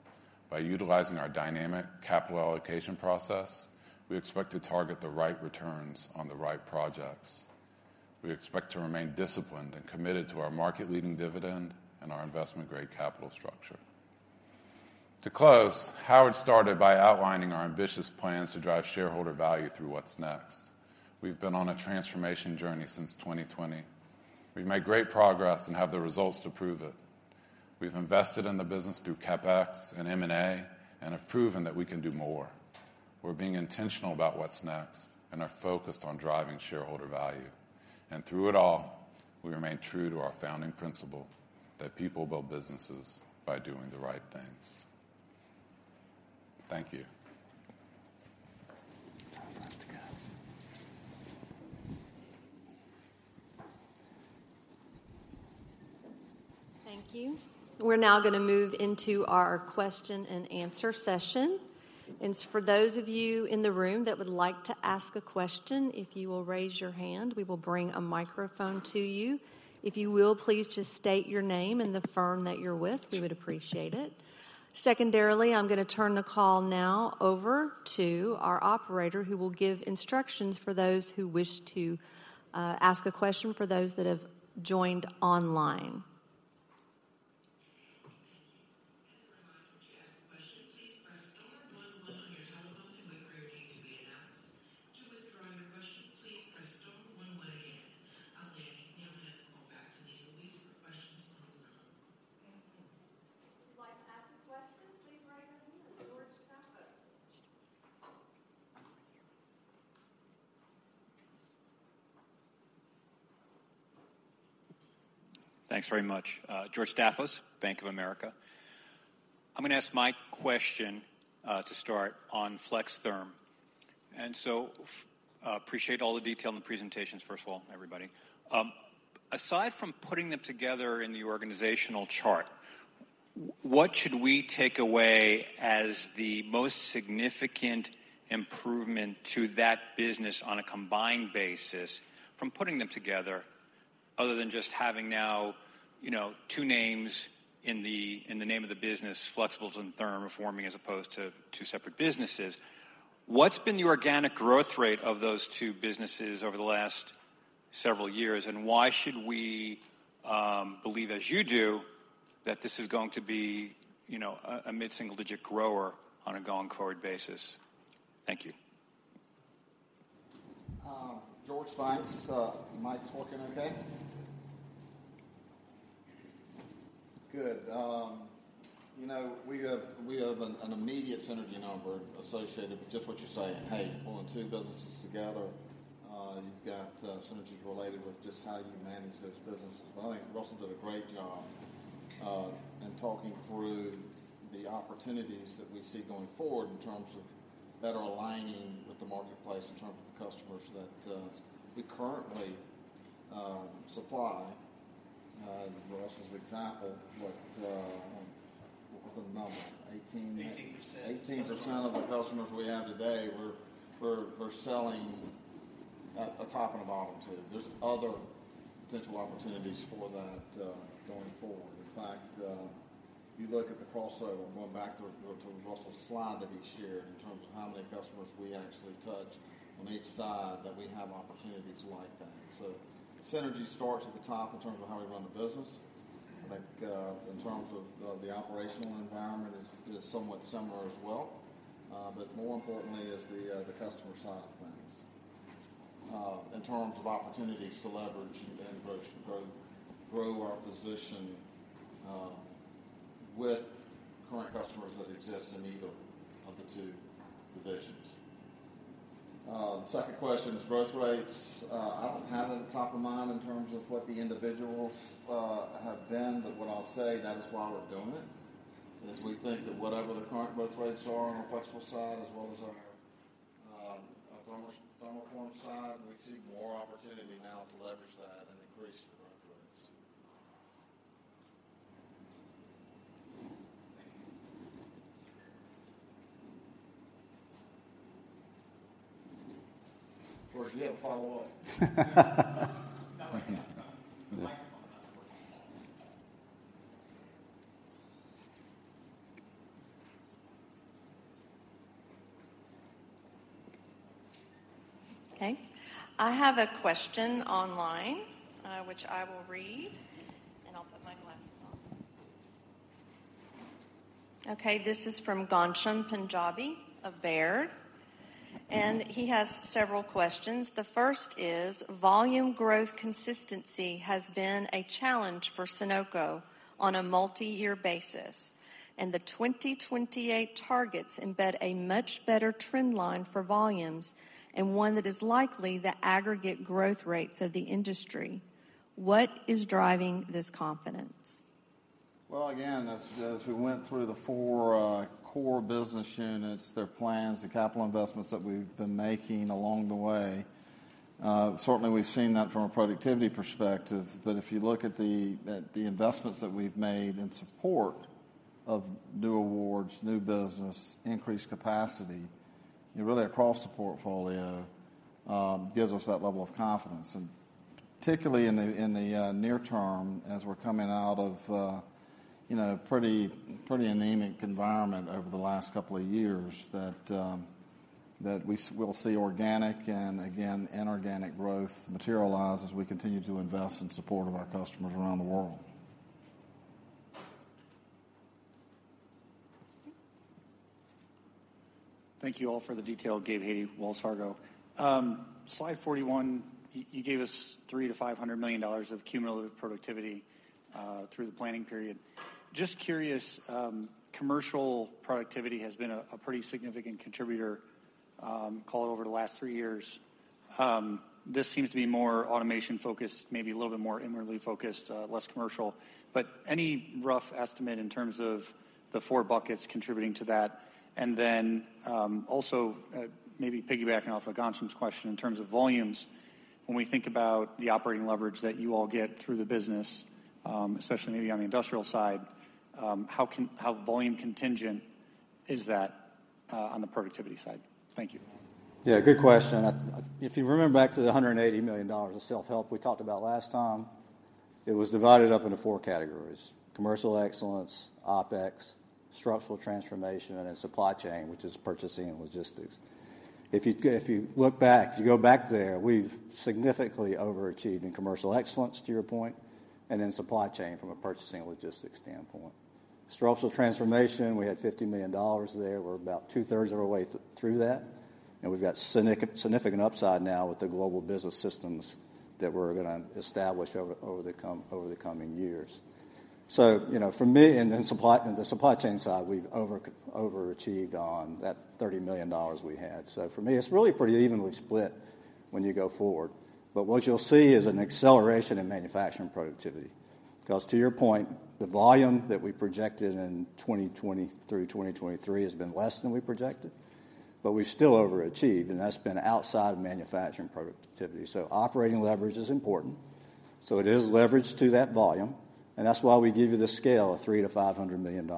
By utilizing our dynamic capital allocation process, we expect to target the right returns on the right projects. We expect to remain disciplined and committed to our market-leading dividend and our investment-grade capital structure. To close, Howard started by outlining our ambitious plans to drive shareholder value through what's next. We've been on a transformation journey since 2020. We've made great progress and have the results to prove it. We've invested in the business through CapEx and M&A, and have proven that we can do more. We're being intentional about what's next and are focused on driving shareholder value. And through it all, we remain true to our founding principle: that people build businesses by doing the right things. Thank you. Time left to go.... Thank you. We're now gonna move into our question and answer session. For those of you in the room that would like to ask a question, if you will raise your hand, we will bring a microphone to you. If you will, please just state your name and the firm that you're with, we would appreciate it. Secondarily, I'm gonna turn the call now over to our operator, who will give instructions for those who wish to ask a question for those that have joined online. Thank you. As a reminder, to ask a question, please press star one on your telephone, and we'll prompt you to be announced. To withdraw your question, please press star one one again. I'll then hand the call back to Lisa. We have some questions on the line. If you'd like to ask a question, please raise your hand. George Staphos. Thanks very much. George Staphos, Bank of America. I'm gonna ask my question to start on FlexTherm. So, appreciate all the detail in the presentations, first of all, everybody. Aside from putting them together in the organizational chart, what should we take away as the most significant improvement to that business on a combined basis from putting them together, other than just having now, you know, two names in the, in the name of the business, Flexibles and Thermoforming, as opposed to two separate businesses? What's been the organic growth rate of those two businesses over the last several years, and why should we believe, as you do, that this is going to be, you know, a mid-single-digit grower on a going-forward basis? Thank you. George, thanks. Mic's working okay? Good. You know, we have an immediate synergy number associated with just what you're saying. Hey, pulling two businesses together, you've got synergies related with just how you manage those businesses. But I think Russell did a great job in talking through the opportunities that we see going forward in terms of better aligning with the marketplace, in terms of the customers that we currently supply. Russell's example, what was the number? 18- Eighteen percent. 18% of the customers we have today, we're selling a top and a bottom to. There's other potential opportunities for that going forward. In fact, if you look at the crossover, going back to Russell's slide that he shared, in terms of how many customers we actually touch on each side, that we have opportunities like that. So synergy starts at the top in terms of how we run the business. I think, in terms of the operational environment is somewhat similar as well, but more importantly is the customer side of things. In terms of opportunities to leverage and grow our position with current customers that exist in either of the two divisions. The second question is growth rates. I don't have it at the top of mind in terms of what the individuals have been, but what I'll say, that is why we're doing it, is we think that whatever the current growth rates are on our flexible side, as well as our thermoformed side, we see more opportunity now to leverage that and increase the growth rates. Thank you. George, you have a follow-up? No, I do not. Okay. I have a question online, which I will read, and I'll put my glasses on. Okay, this is from Ghansham Panjabi of Baird, and he has several questions. The first is: Volume growth consistency has been a challenge for Sonoco on a multi-year basis, and the 2028 targets embed a much better trend line for volumes and one that is likely the aggregate growth rates of the industry. What is driving this confidence? Well, again, as we went through the 4 core business units, their plans, the capital investments that we've been making along the way, certainly we've seen that from a productivity perspective. But if you look at the investments that we've made in support of new awards, new business, increased capacity, really across the portfolio, gives us that level of confidence. And particularly in the near term, as we're coming out of a, you know, pretty, pretty anemic environment over the last couple of years, that we'll see organic and, again, inorganic growth materialize as we continue to invest in support of our customers around the world. Thank you all for the detail. Gabe Hajde, Wells Fargo. Slide 41, you gave us $300 million-$500 million of cumulative productivity through the planning period. Just curious, commercial productivity has been a pretty significant contributor, call it over the last three years. This seems to be more automation-focused, maybe a little bit more inwardly focused, less commercial. But any rough estimate in terms of the four buckets contributing to that? And then, also, maybe piggybacking off of Ghansham's question in terms of volumes. When we think about the operating leverage that you all get through the business, especially maybe on the industrial side, how volume contingent is that on the productivity side? Thank you. Yeah, good question. If you remember back to the $180 million of self-help we talked about last time, it was divided up into four categories: commercial excellence, OpEx, structural transformation, and then supply chain, which is purchasing and logistics. If you look back, if you go back there, we've significantly overachieved in commercial excellence, to your point, and in supply chain from a purchasing and logistics standpoint. Structural transformation, we had $50 million there. We're about two-thirds of our way through that, and we've got significant upside now with the global business systems that we're gonna establish over the coming years. So, you know, for me, and then supply, the supply chain side, we've overachieved on that $30 million we had. So for me, it's really pretty evenly split when you go forward. But what you'll see is an acceleration in manufacturing productivity. 'Cause to your point, the volume that we projected in 2020 through 2023 has been less than we projected, but we've still overachieved, and that's been outside manufacturing productivity. So operating leverage is important, so it is leveraged to that volume, and that's why we give you the scale of $300 million-$500 million.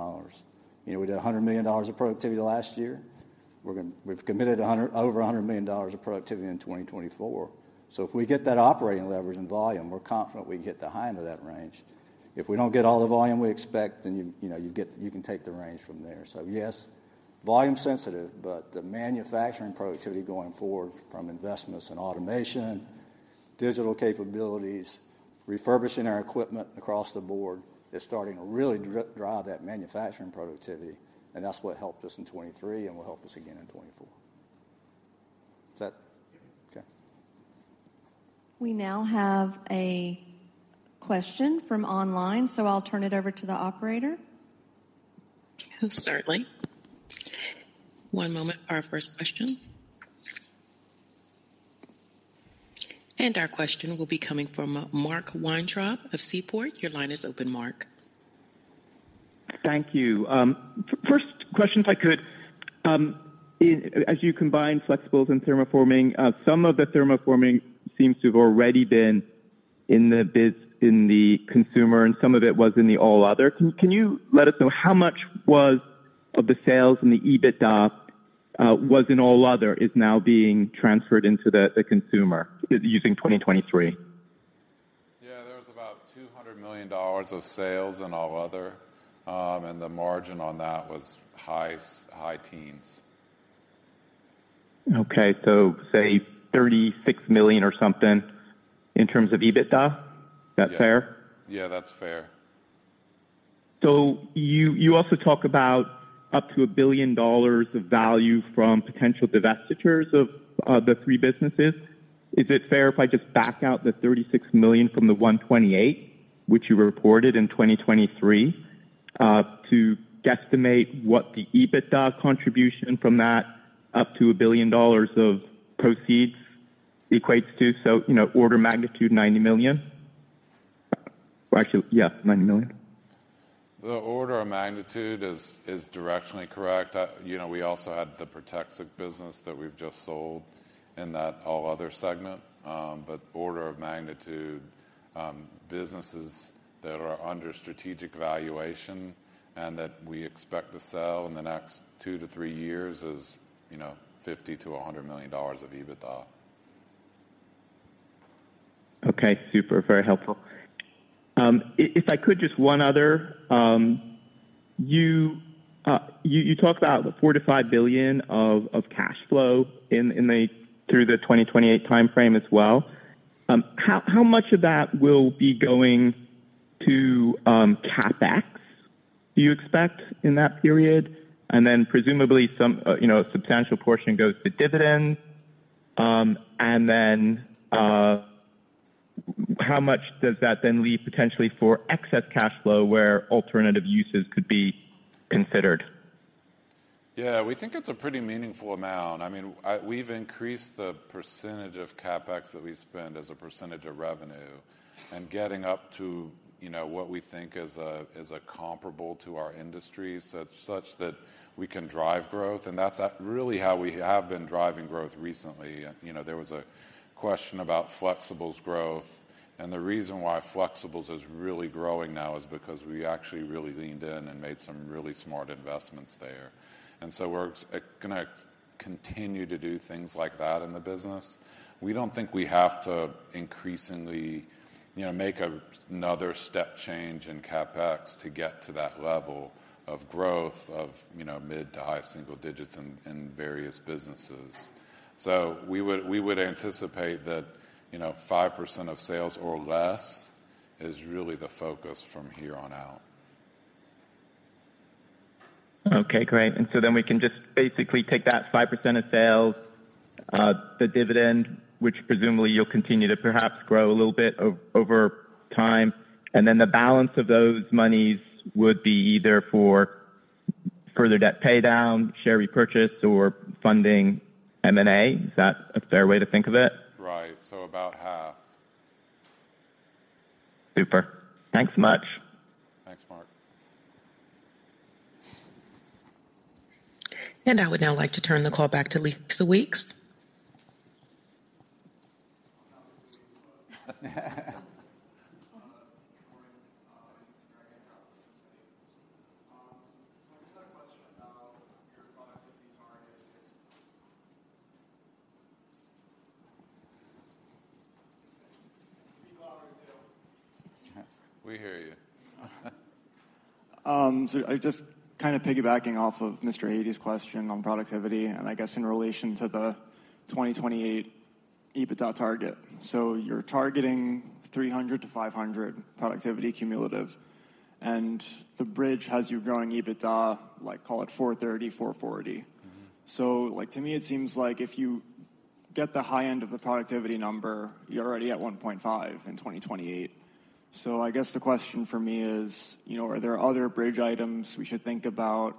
You know, we did $100 million of productivity last year. We've committed over $100 million of productivity in 2024. So if we get that operating leverage and volume, we're confident we can get the high end of that range. If we don't get all the volume we expect, then you, you know, you can take the range from there. So yes, volume sensitive, but the manufacturing productivity going forward from investments in automation, digital capabilities, refurbishing our equipment across the board, is starting to really drive that manufacturing productivity, and that's what helped us in 2023 and will help us again in 2024. Is that? Yeah. Okay. We now have a question from online, so I'll turn it over to the operator. Most certainly. One moment for our first question. Our question will be coming from Mark Weintraub of Seaport. Your line is open, Mark. Thank you. First question, if I could, as you combine flexibles and thermoforming, some of the thermoforming seems to have already been in the biz, in the consumer, and some of it was in the all other. Can you let us know how much was, of the sales and the EBITDA, was in all other, is now being transferred into the consumer using 2023? Yeah, there was about $200 million of sales in all other, and the margin on that was high teens%. Okay, so say $36 million or something in terms of EBITDA? Yeah. Is that fair? Yeah, that's fair. So you also talk about up to $1 billion of value from potential divestitures of the three businesses. Is it fair if I just back out the $36 million from the $128, which you reported in 2023, to guesstimate what the EBITDA contribution from that up to $1 billion of proceeds equates to? So, you know, order magnitude, $90 million. Or actually, yeah, $90 million. The order of magnitude is, is directionally correct. You know, we also had the Protective business that we've just sold in that All Other segment. But order of magnitude, businesses that are under strategic valuation and that we expect to sell in the next two to three years is, you know, $50 million-$100 million of EBITDA. Okay, super, very helpful. If I could, just one other. You talked about the $4 billion-$5 billion of cash flow through the 2028 time frame as well. How much of that will be going to CapEx, do you expect in that period? And then presumably, some you know, a substantial portion goes to dividends. And then, how much does that then leave potentially for excess cash flow where alternative uses could be considered? Yeah, we think it's a pretty meaningful amount. I mean, we've increased the percentage of CapEx that we spend as a percentage of revenue and getting up to, you know, what we think is a comparable to our industry, such that we can drive growth, and that's really how we have been driving growth recently. You know, there was a question about flexibles growth, and the reason why flexibles is really growing now is because we actually really leaned in and made some really smart investments there. And so we're gonna continue to do things like that in the business. We don't think we have to increasingly, you know, make another step change in CapEx to get to that level of growth of, you know, mid- to high-single-digits in various businesses. We would anticipate that, you know, 5% of sales or less is really the focus from here on out. Okay, great. And so then we can just basically take that 5% of sales, the dividend, which presumably you'll continue to perhaps grow a little bit over time, and then the balance of those monies would be either for further debt paydown, share repurchase, or funding M&A. Is that a fair way to think of it? Right. So about half. Super. Thanks much. Thanks, Mark.... I would now like to turn the call back to Lisa Weeks. I just had a question about your productivity target. Speak louder, too. We hear you. So I just kind of piggybacking off of Mr. Hajde's question on productivity, and I guess in relation to the 2028 EBITDA target. So you're targeting $300-$500 productivity cumulative, and the bridge has you growing EBITDA, like, call it $430, $440. Mm-hmm. So like, to me, it seems like if you get the high end of the productivity number, you're already at $1.5 billion in 2028. So I guess the question for me is, you know, are there other bridge items we should think about?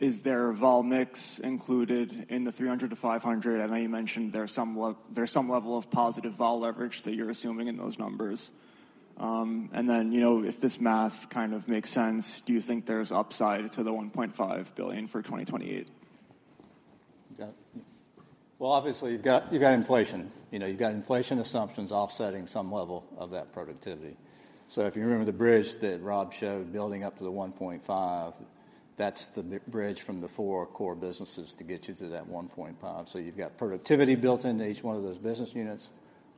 Is there vol mix included in the $300 million-$500 million? I know you mentioned there's some level of positive vol leverage that you're assuming in those numbers. And then, you know, if this math kind of makes sense, do you think there's upside to the $1.5 billion for 2028? Yeah. Well, obviously, you've got, you've got inflation. You know, you've got inflation assumptions offsetting some level of that productivity. So if you remember the bridge that Rob showed building up to the 1.5, that's the bridge from the four core businesses to get you to that 1.5. So you've got productivity built into each one of those business units,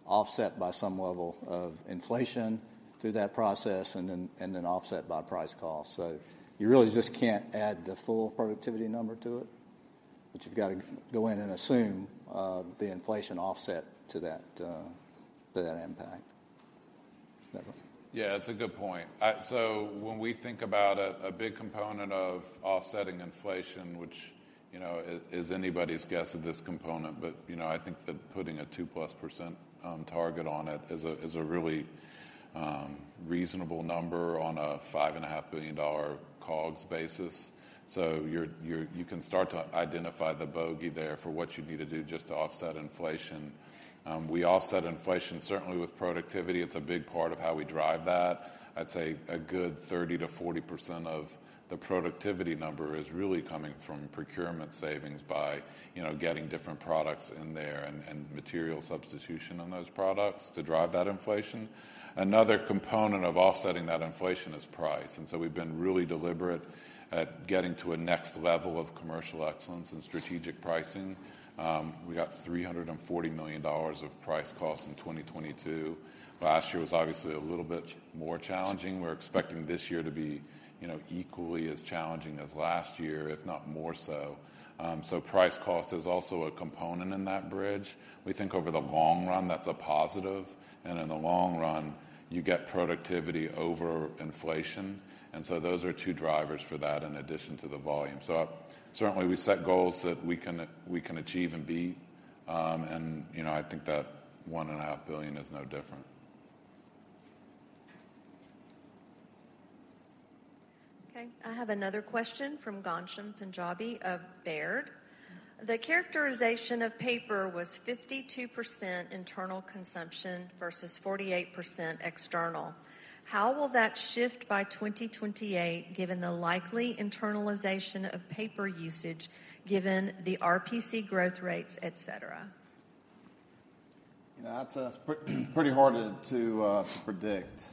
offset by some level of inflation through that process, and then, and then offset by price cost. So you really just can't add the full productivity number to it, but you've got to go in and assume, the inflation offset to that, to that impact. Never. Yeah, it's a good point. So when we think about a big component of offsetting inflation, which, you know, is anybody's guess at this component, but, you know, I think that putting a 2%+ target on it is a really reasonable number on a $5.5 billion COGS basis. So you can start to identify the bogey there for what you need to do just to offset inflation. We offset inflation, certainly with productivity. It's a big part of how we drive that. I'd say a good 30%-40% of the productivity number is really coming from procurement savings by, you know, getting different products in there and material substitution on those products to drive that inflation. Another component of offsetting that inflation is price, and so we've been really deliberate at getting to a next level of commercial excellence and strategic pricing. We got $340 million of price costs in 2022. Last year was obviously a little bit more challenging. We're expecting this year to be, you know, equally as challenging as last year, if not more so. So price cost is also a component in that bridge. We think over the long run, that's a positive, and in the long run, you get productivity over inflation. And so those are two drivers for that in addition to the volume. So certainly, we set goals that we can, we can achieve and beat. And, you know, I think that $1.5 billion is no different. Okay, I have another question from Ghansham Panjabi of Baird. The characterization of paper was 52% internal consumption versus 48% external. How will that shift by 2028, given the likely internalization of paper usage, given the RPC growth rates, etc.? You know, that's pretty hard to predict.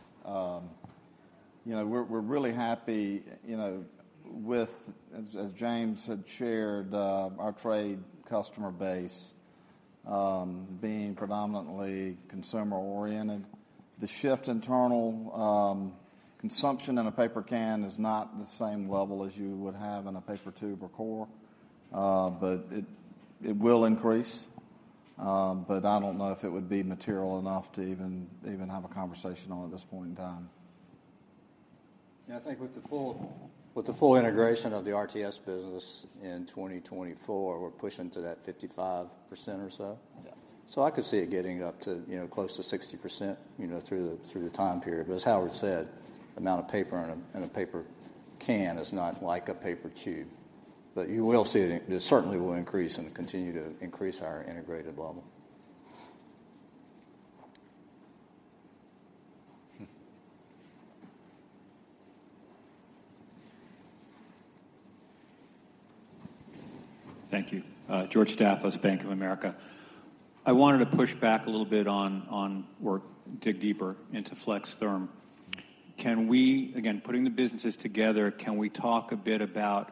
You know, we're really happy, you know, with, as James had shared, our trade customer base being predominantly consumer-oriented. The shift to internal consumption in a paper can is not the same level as you would have in a paper tube or core, but it will increase. But I don't know if it would be material enough to even have a conversation on at this point in time. Yeah, I think with the full integration of the RTS business in 2024, we're pushing to that 55% or so. Yeah. So I could see it getting up to, you know, close to 60%, you know, through the, through the time period. But as Howard said, the amount of paper in a, in a paper can is not like a paper tube. But you will see it, it certainly will increase and continue to increase our integrated level. Thank you. George Staphos, Bank of America. I wanted to push back a little bit on work, dig deeper into FlexTherm. Can we, again, putting the businesses together, can we talk a bit about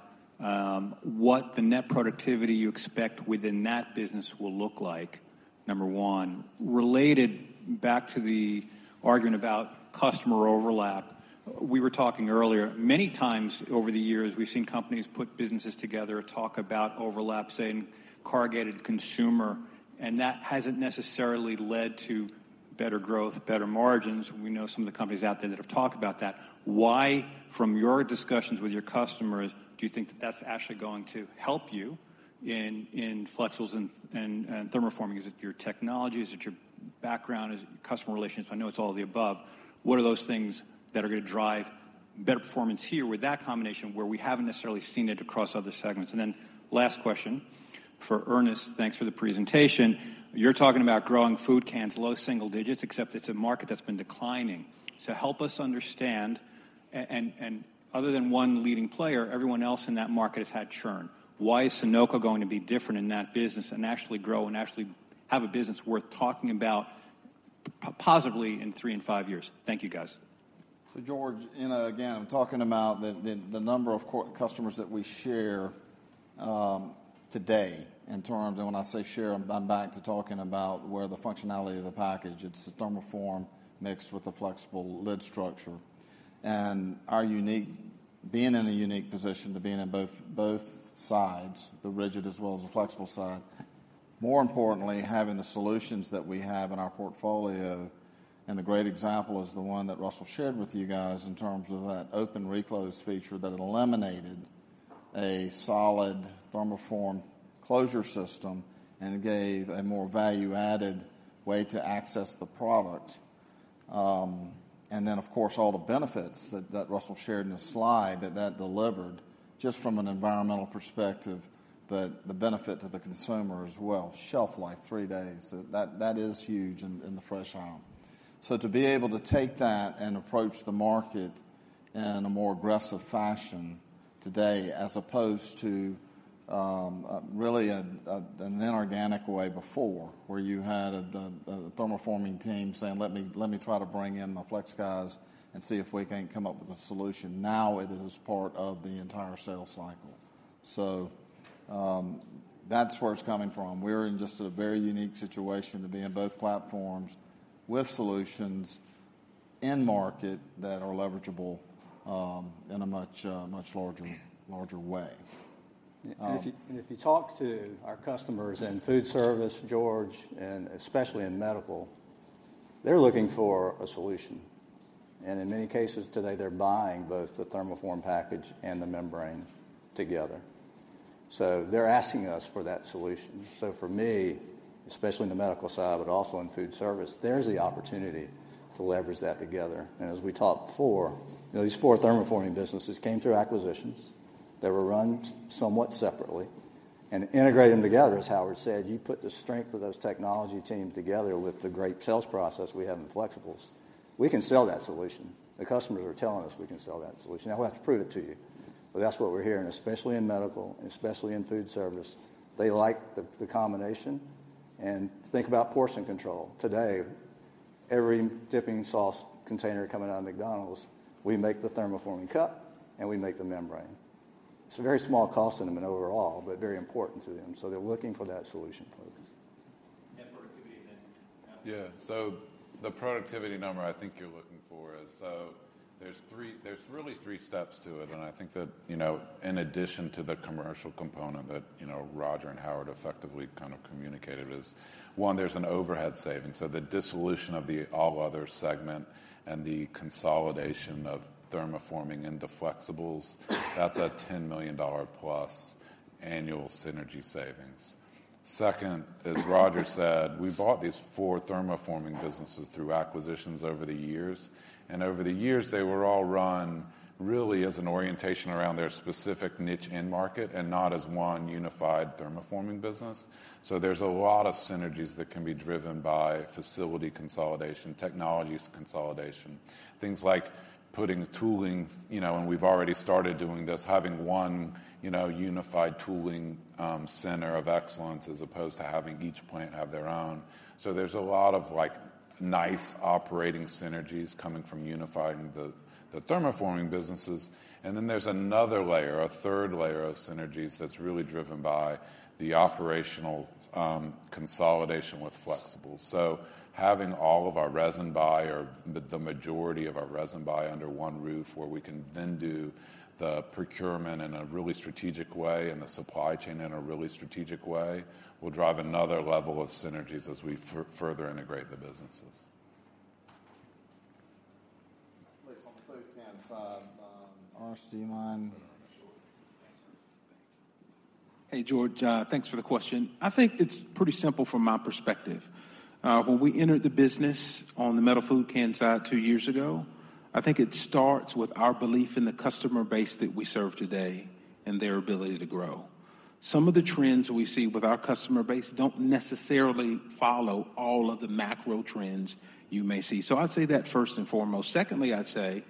what the net productivity you expect within that business will look like? Number one, related back to the argument about customer overlap, we were talking earlier. Many times over the years, we've seen companies put businesses together, talk about overlap, saying corrugated consumer, and that hasn't necessarily led to better growth, better margins. We know some of the companies out there that have talked about that. Why, from your discussions with your customers, do you think that that's actually going to help you in flexibles and thermoforming? Is it your technology? Is it your background? Is it customer relations? I know it's all of the above. What are those things that are gonna drive better performance here with that combination, where we haven't necessarily seen it across other segments? And then last question... For Ernest, thanks for the presentation. You're talking about growing food cans, low single digits, except it's a market that's been declining. So help us understand, and other than one leading player, everyone else in that market has had churn. Why is Sonoco going to be different in that business and actually grow and actually have a business worth talking about positively in three and five years? Thank you, guys. So George, and again, I'm talking about the number of customers that we share today. And when I say share, I'm back to talking about where the functionality of the package, it's a thermoform mixed with a flexible lid structure. And our being in a unique position to being in both sides, the rigid as well as the flexible side. More importantly, having the solutions that we have in our portfolio, and a great example is the one that Russell shared with you guys in terms of that open reclose feature that eliminated a solid thermoform closure system and gave a more value-added way to access the product. And then, of course, all the benefits that Russell shared in his slide that delivered, just from an environmental perspective, but the benefit to the consumer as well. Shelf life, three days, that, that is huge in, in the fresh aisle. So to be able to take that and approach the market in a more aggressive fashion today, as opposed to really an inorganic way before, where you had thermoforming team saying: "Let me try to bring in my flex guys and see if we can't come up with a solution." Now, it is part of the entire sales cycle. So, that's where it's coming from. We're in just a very unique situation to be in both platforms with solutions in market that are leverageable in a much much larger, larger way. If you talk to our customers in food service, George, and especially in medical, they're looking for a solution. In many cases today, they're buying both the thermoform package and the membrane together. So they're asking us for that solution. For me, especially in the medical side, but also in food service, there's the opportunity to leverage that together. As we talked before, you know, these four thermoforming businesses came through acquisitions. They were run somewhat separately, and integrated them together, as Howard said. You put the strength of those technology teams together with the great sales process we have in Flexibles. We can sell that solution. The customers are telling us we can sell that solution. Now, we'll have to prove it to you, but that's what we're hearing, especially in medical, especially in food service. They like the combination. Think about portion control. Today, every dipping sauce container coming out of McDonald's, we make the thermoforming cup, and we make the membrane. It's a very small cost to them in overall, but very important to them, so they're looking for that solution focus. Productivity then. Yeah. So the productivity number I think you're looking for is, so there's three, there's really three steps to it, and I think that, you know, in addition to the commercial component that, you know, Rodger and Howard effectively kind of communicated, is one, there's an overhead savings. So the dissolution of the all other segment and the consolidation of thermoforming into Flexibles, that's a $10 million plus annual synergy savings. Second, as Rodger said, we bought these four thermoforming businesses through acquisitions over the years, and over the years, they were all run really as an orientation around their specific niche end market and not as one unified thermoforming business. So there's a lot of synergies that can be driven by facility consolidation, technologies consolidation, things like putting tooling, you know, and we've already started doing this, having one, you know, unified tooling center of excellence as opposed to having each plant have their own. So there's a lot of like, nice operating synergies coming from unifying the thermoforming businesses. And then there's another layer, a third layer of synergies that's really driven by the operational consolidation with Flexibles. So having all of our resin buy or the majority of our resin buy under one roof, where we can then do the procurement in a really strategic way and the supply chain in a really strategic way, will drive another level of synergies as we further integrate the businesses. Please, on the food can side, RPC line. Sure. Thanks. Hey, George, thanks for the question. I think it's pretty simple from my perspective. When we entered the business on the metal food can side two years ago, I think it starts with our belief in the customer base that we serve today and their ability to grow. Some of the trends we see with our customer base don't necessarily follow all of the macro trends you may see. So I'd say that first and foremost. Secondly, I'd say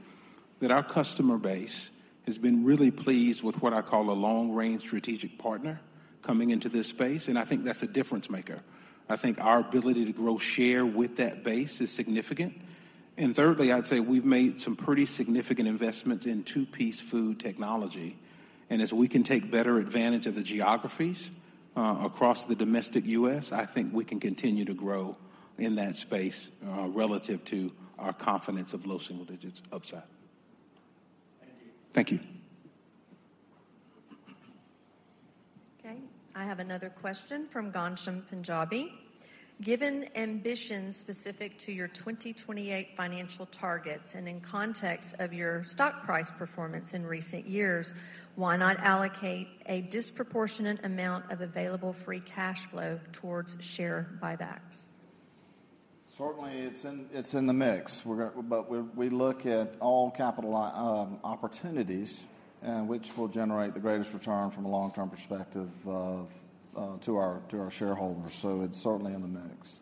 that our customer base has been really pleased with what I call a long-range strategic partner coming into this space, and I think that's a difference maker. I think our ability to grow share with that base is significant. And thirdly, I'd say we've made some pretty significant investments in two-piece food technology, and as we can take better advantage of the geographies across the domestic U.S., I think we can continue to grow in that space relative to our confidence of low single digits upside. Thank you. Thank you. Okay, I have another question from Ghansham Panjabi: Given ambitions specific to your 2028 financial targets and in context of your stock price performance in recent years, why not allocate a disproportionate amount of available free cash flow towards share buybacks? ...Certainly, it's in the mix. We're gonna. But we look at all capital investment opportunities, and which will generate the greatest return from a long-term perspective to our shareholders. So it's certainly in the mix.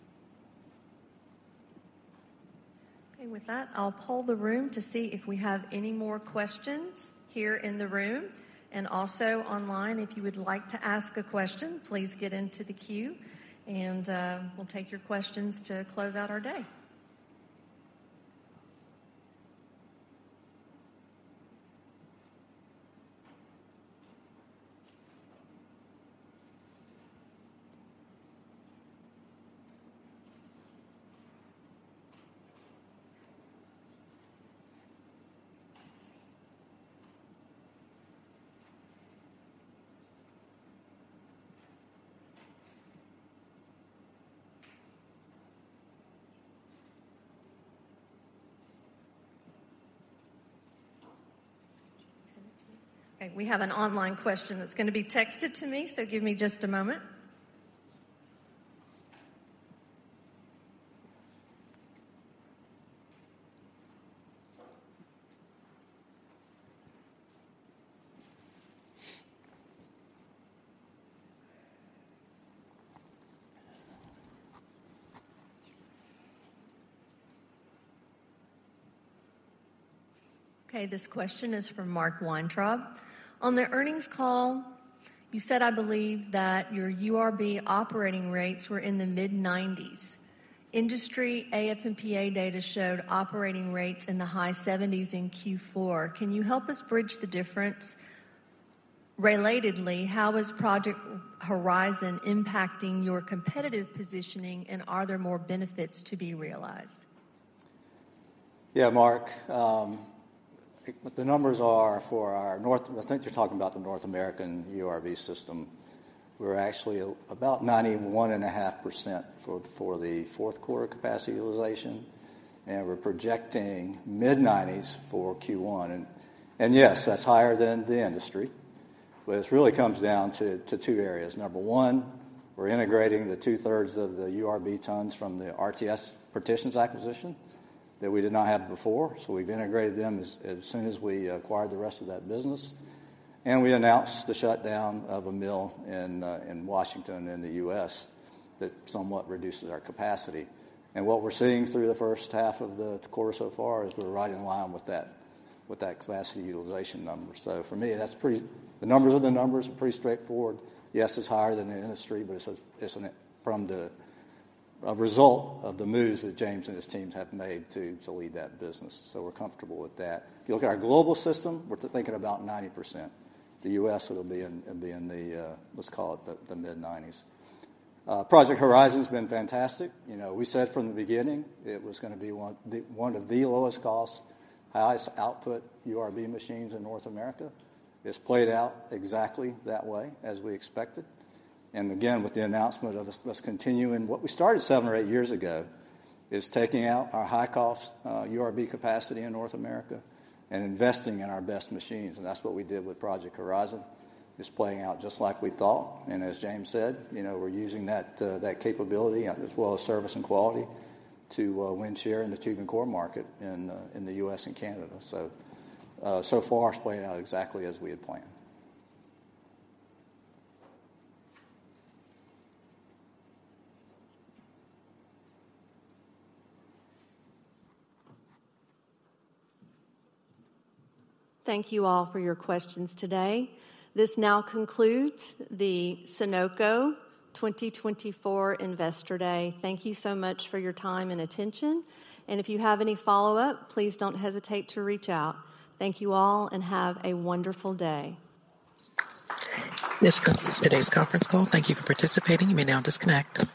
Okay, with that, I'll poll the room to see if we have any more questions here in the room and also online. If you would like to ask a question, please get into the queue, and we'll take your questions to close out our day. Okay, we have an online question that's gonna be texted to me, so give me just a moment. Okay, this question is from Mark Weintraub: "On the earnings call, you said, I believe, that your URB operating rates were in the mid-90s. Industry AF&PA data showed operating rates in the high 70s in Q4. Can you help us bridge the difference? Relatedly, how is Project Horizon impacting your competitive positioning, and are there more benefits to be realized? Yeah, Mark, the numbers are for our North—I think you're talking about the North American URB system. We're actually about 91.5% for the fourth quarter capacity utilization, and we're projecting mid-90s% for Q1. Yes, that's higher than the industry, but this really comes down to two areas. Number one, we're integrating the 2/3 of the URB tons from the RTS Packaging acquisition that we did not have before. So we've integrated them as soon as we acquired the rest of that business, and we announced the shutdown of a mill in Washington, in the U.S. That somewhat reduces our capacity. What we're seeing through the first half of the quarter so far is we're right in line with that capacity utilization number. So for me, that's pretty... The numbers are the numbers, pretty straightforward. Yes, it's higher than the industry, but it's a result of the moves that James and his teams have made to lead that business. So we're comfortable with that. If you look at our global system, we're thinking about 90%. The U.S., it'll be in the mid-90s. Project Horizon's been fantastic. You know, we said from the beginning it was gonna be one of the lowest cost, highest output URB machines in North America. It's played out exactly that way, as we expected. And again, with the announcement of us continuing what we started seven or eight years ago, is taking out our high-cost URB capacity in North America and investing in our best machines. And that's what we did with Project Horizon. It's playing out just like we thought, and as James said, you know, we're using that, that capability, as well as service and quality, to win share in the tube and core market in the U.S. and Canada. So, so far, it's playing out exactly as we had planned. Thank you all for your questions today. This now concludes the Sonoco 2024 Investor Day. Thank you so much for your time and attention, and if you have any follow-up, please don't hesitate to reach out. Thank you all, and have a wonderful day. This concludes today's conference call. Thank you for participating. You may now disconnect.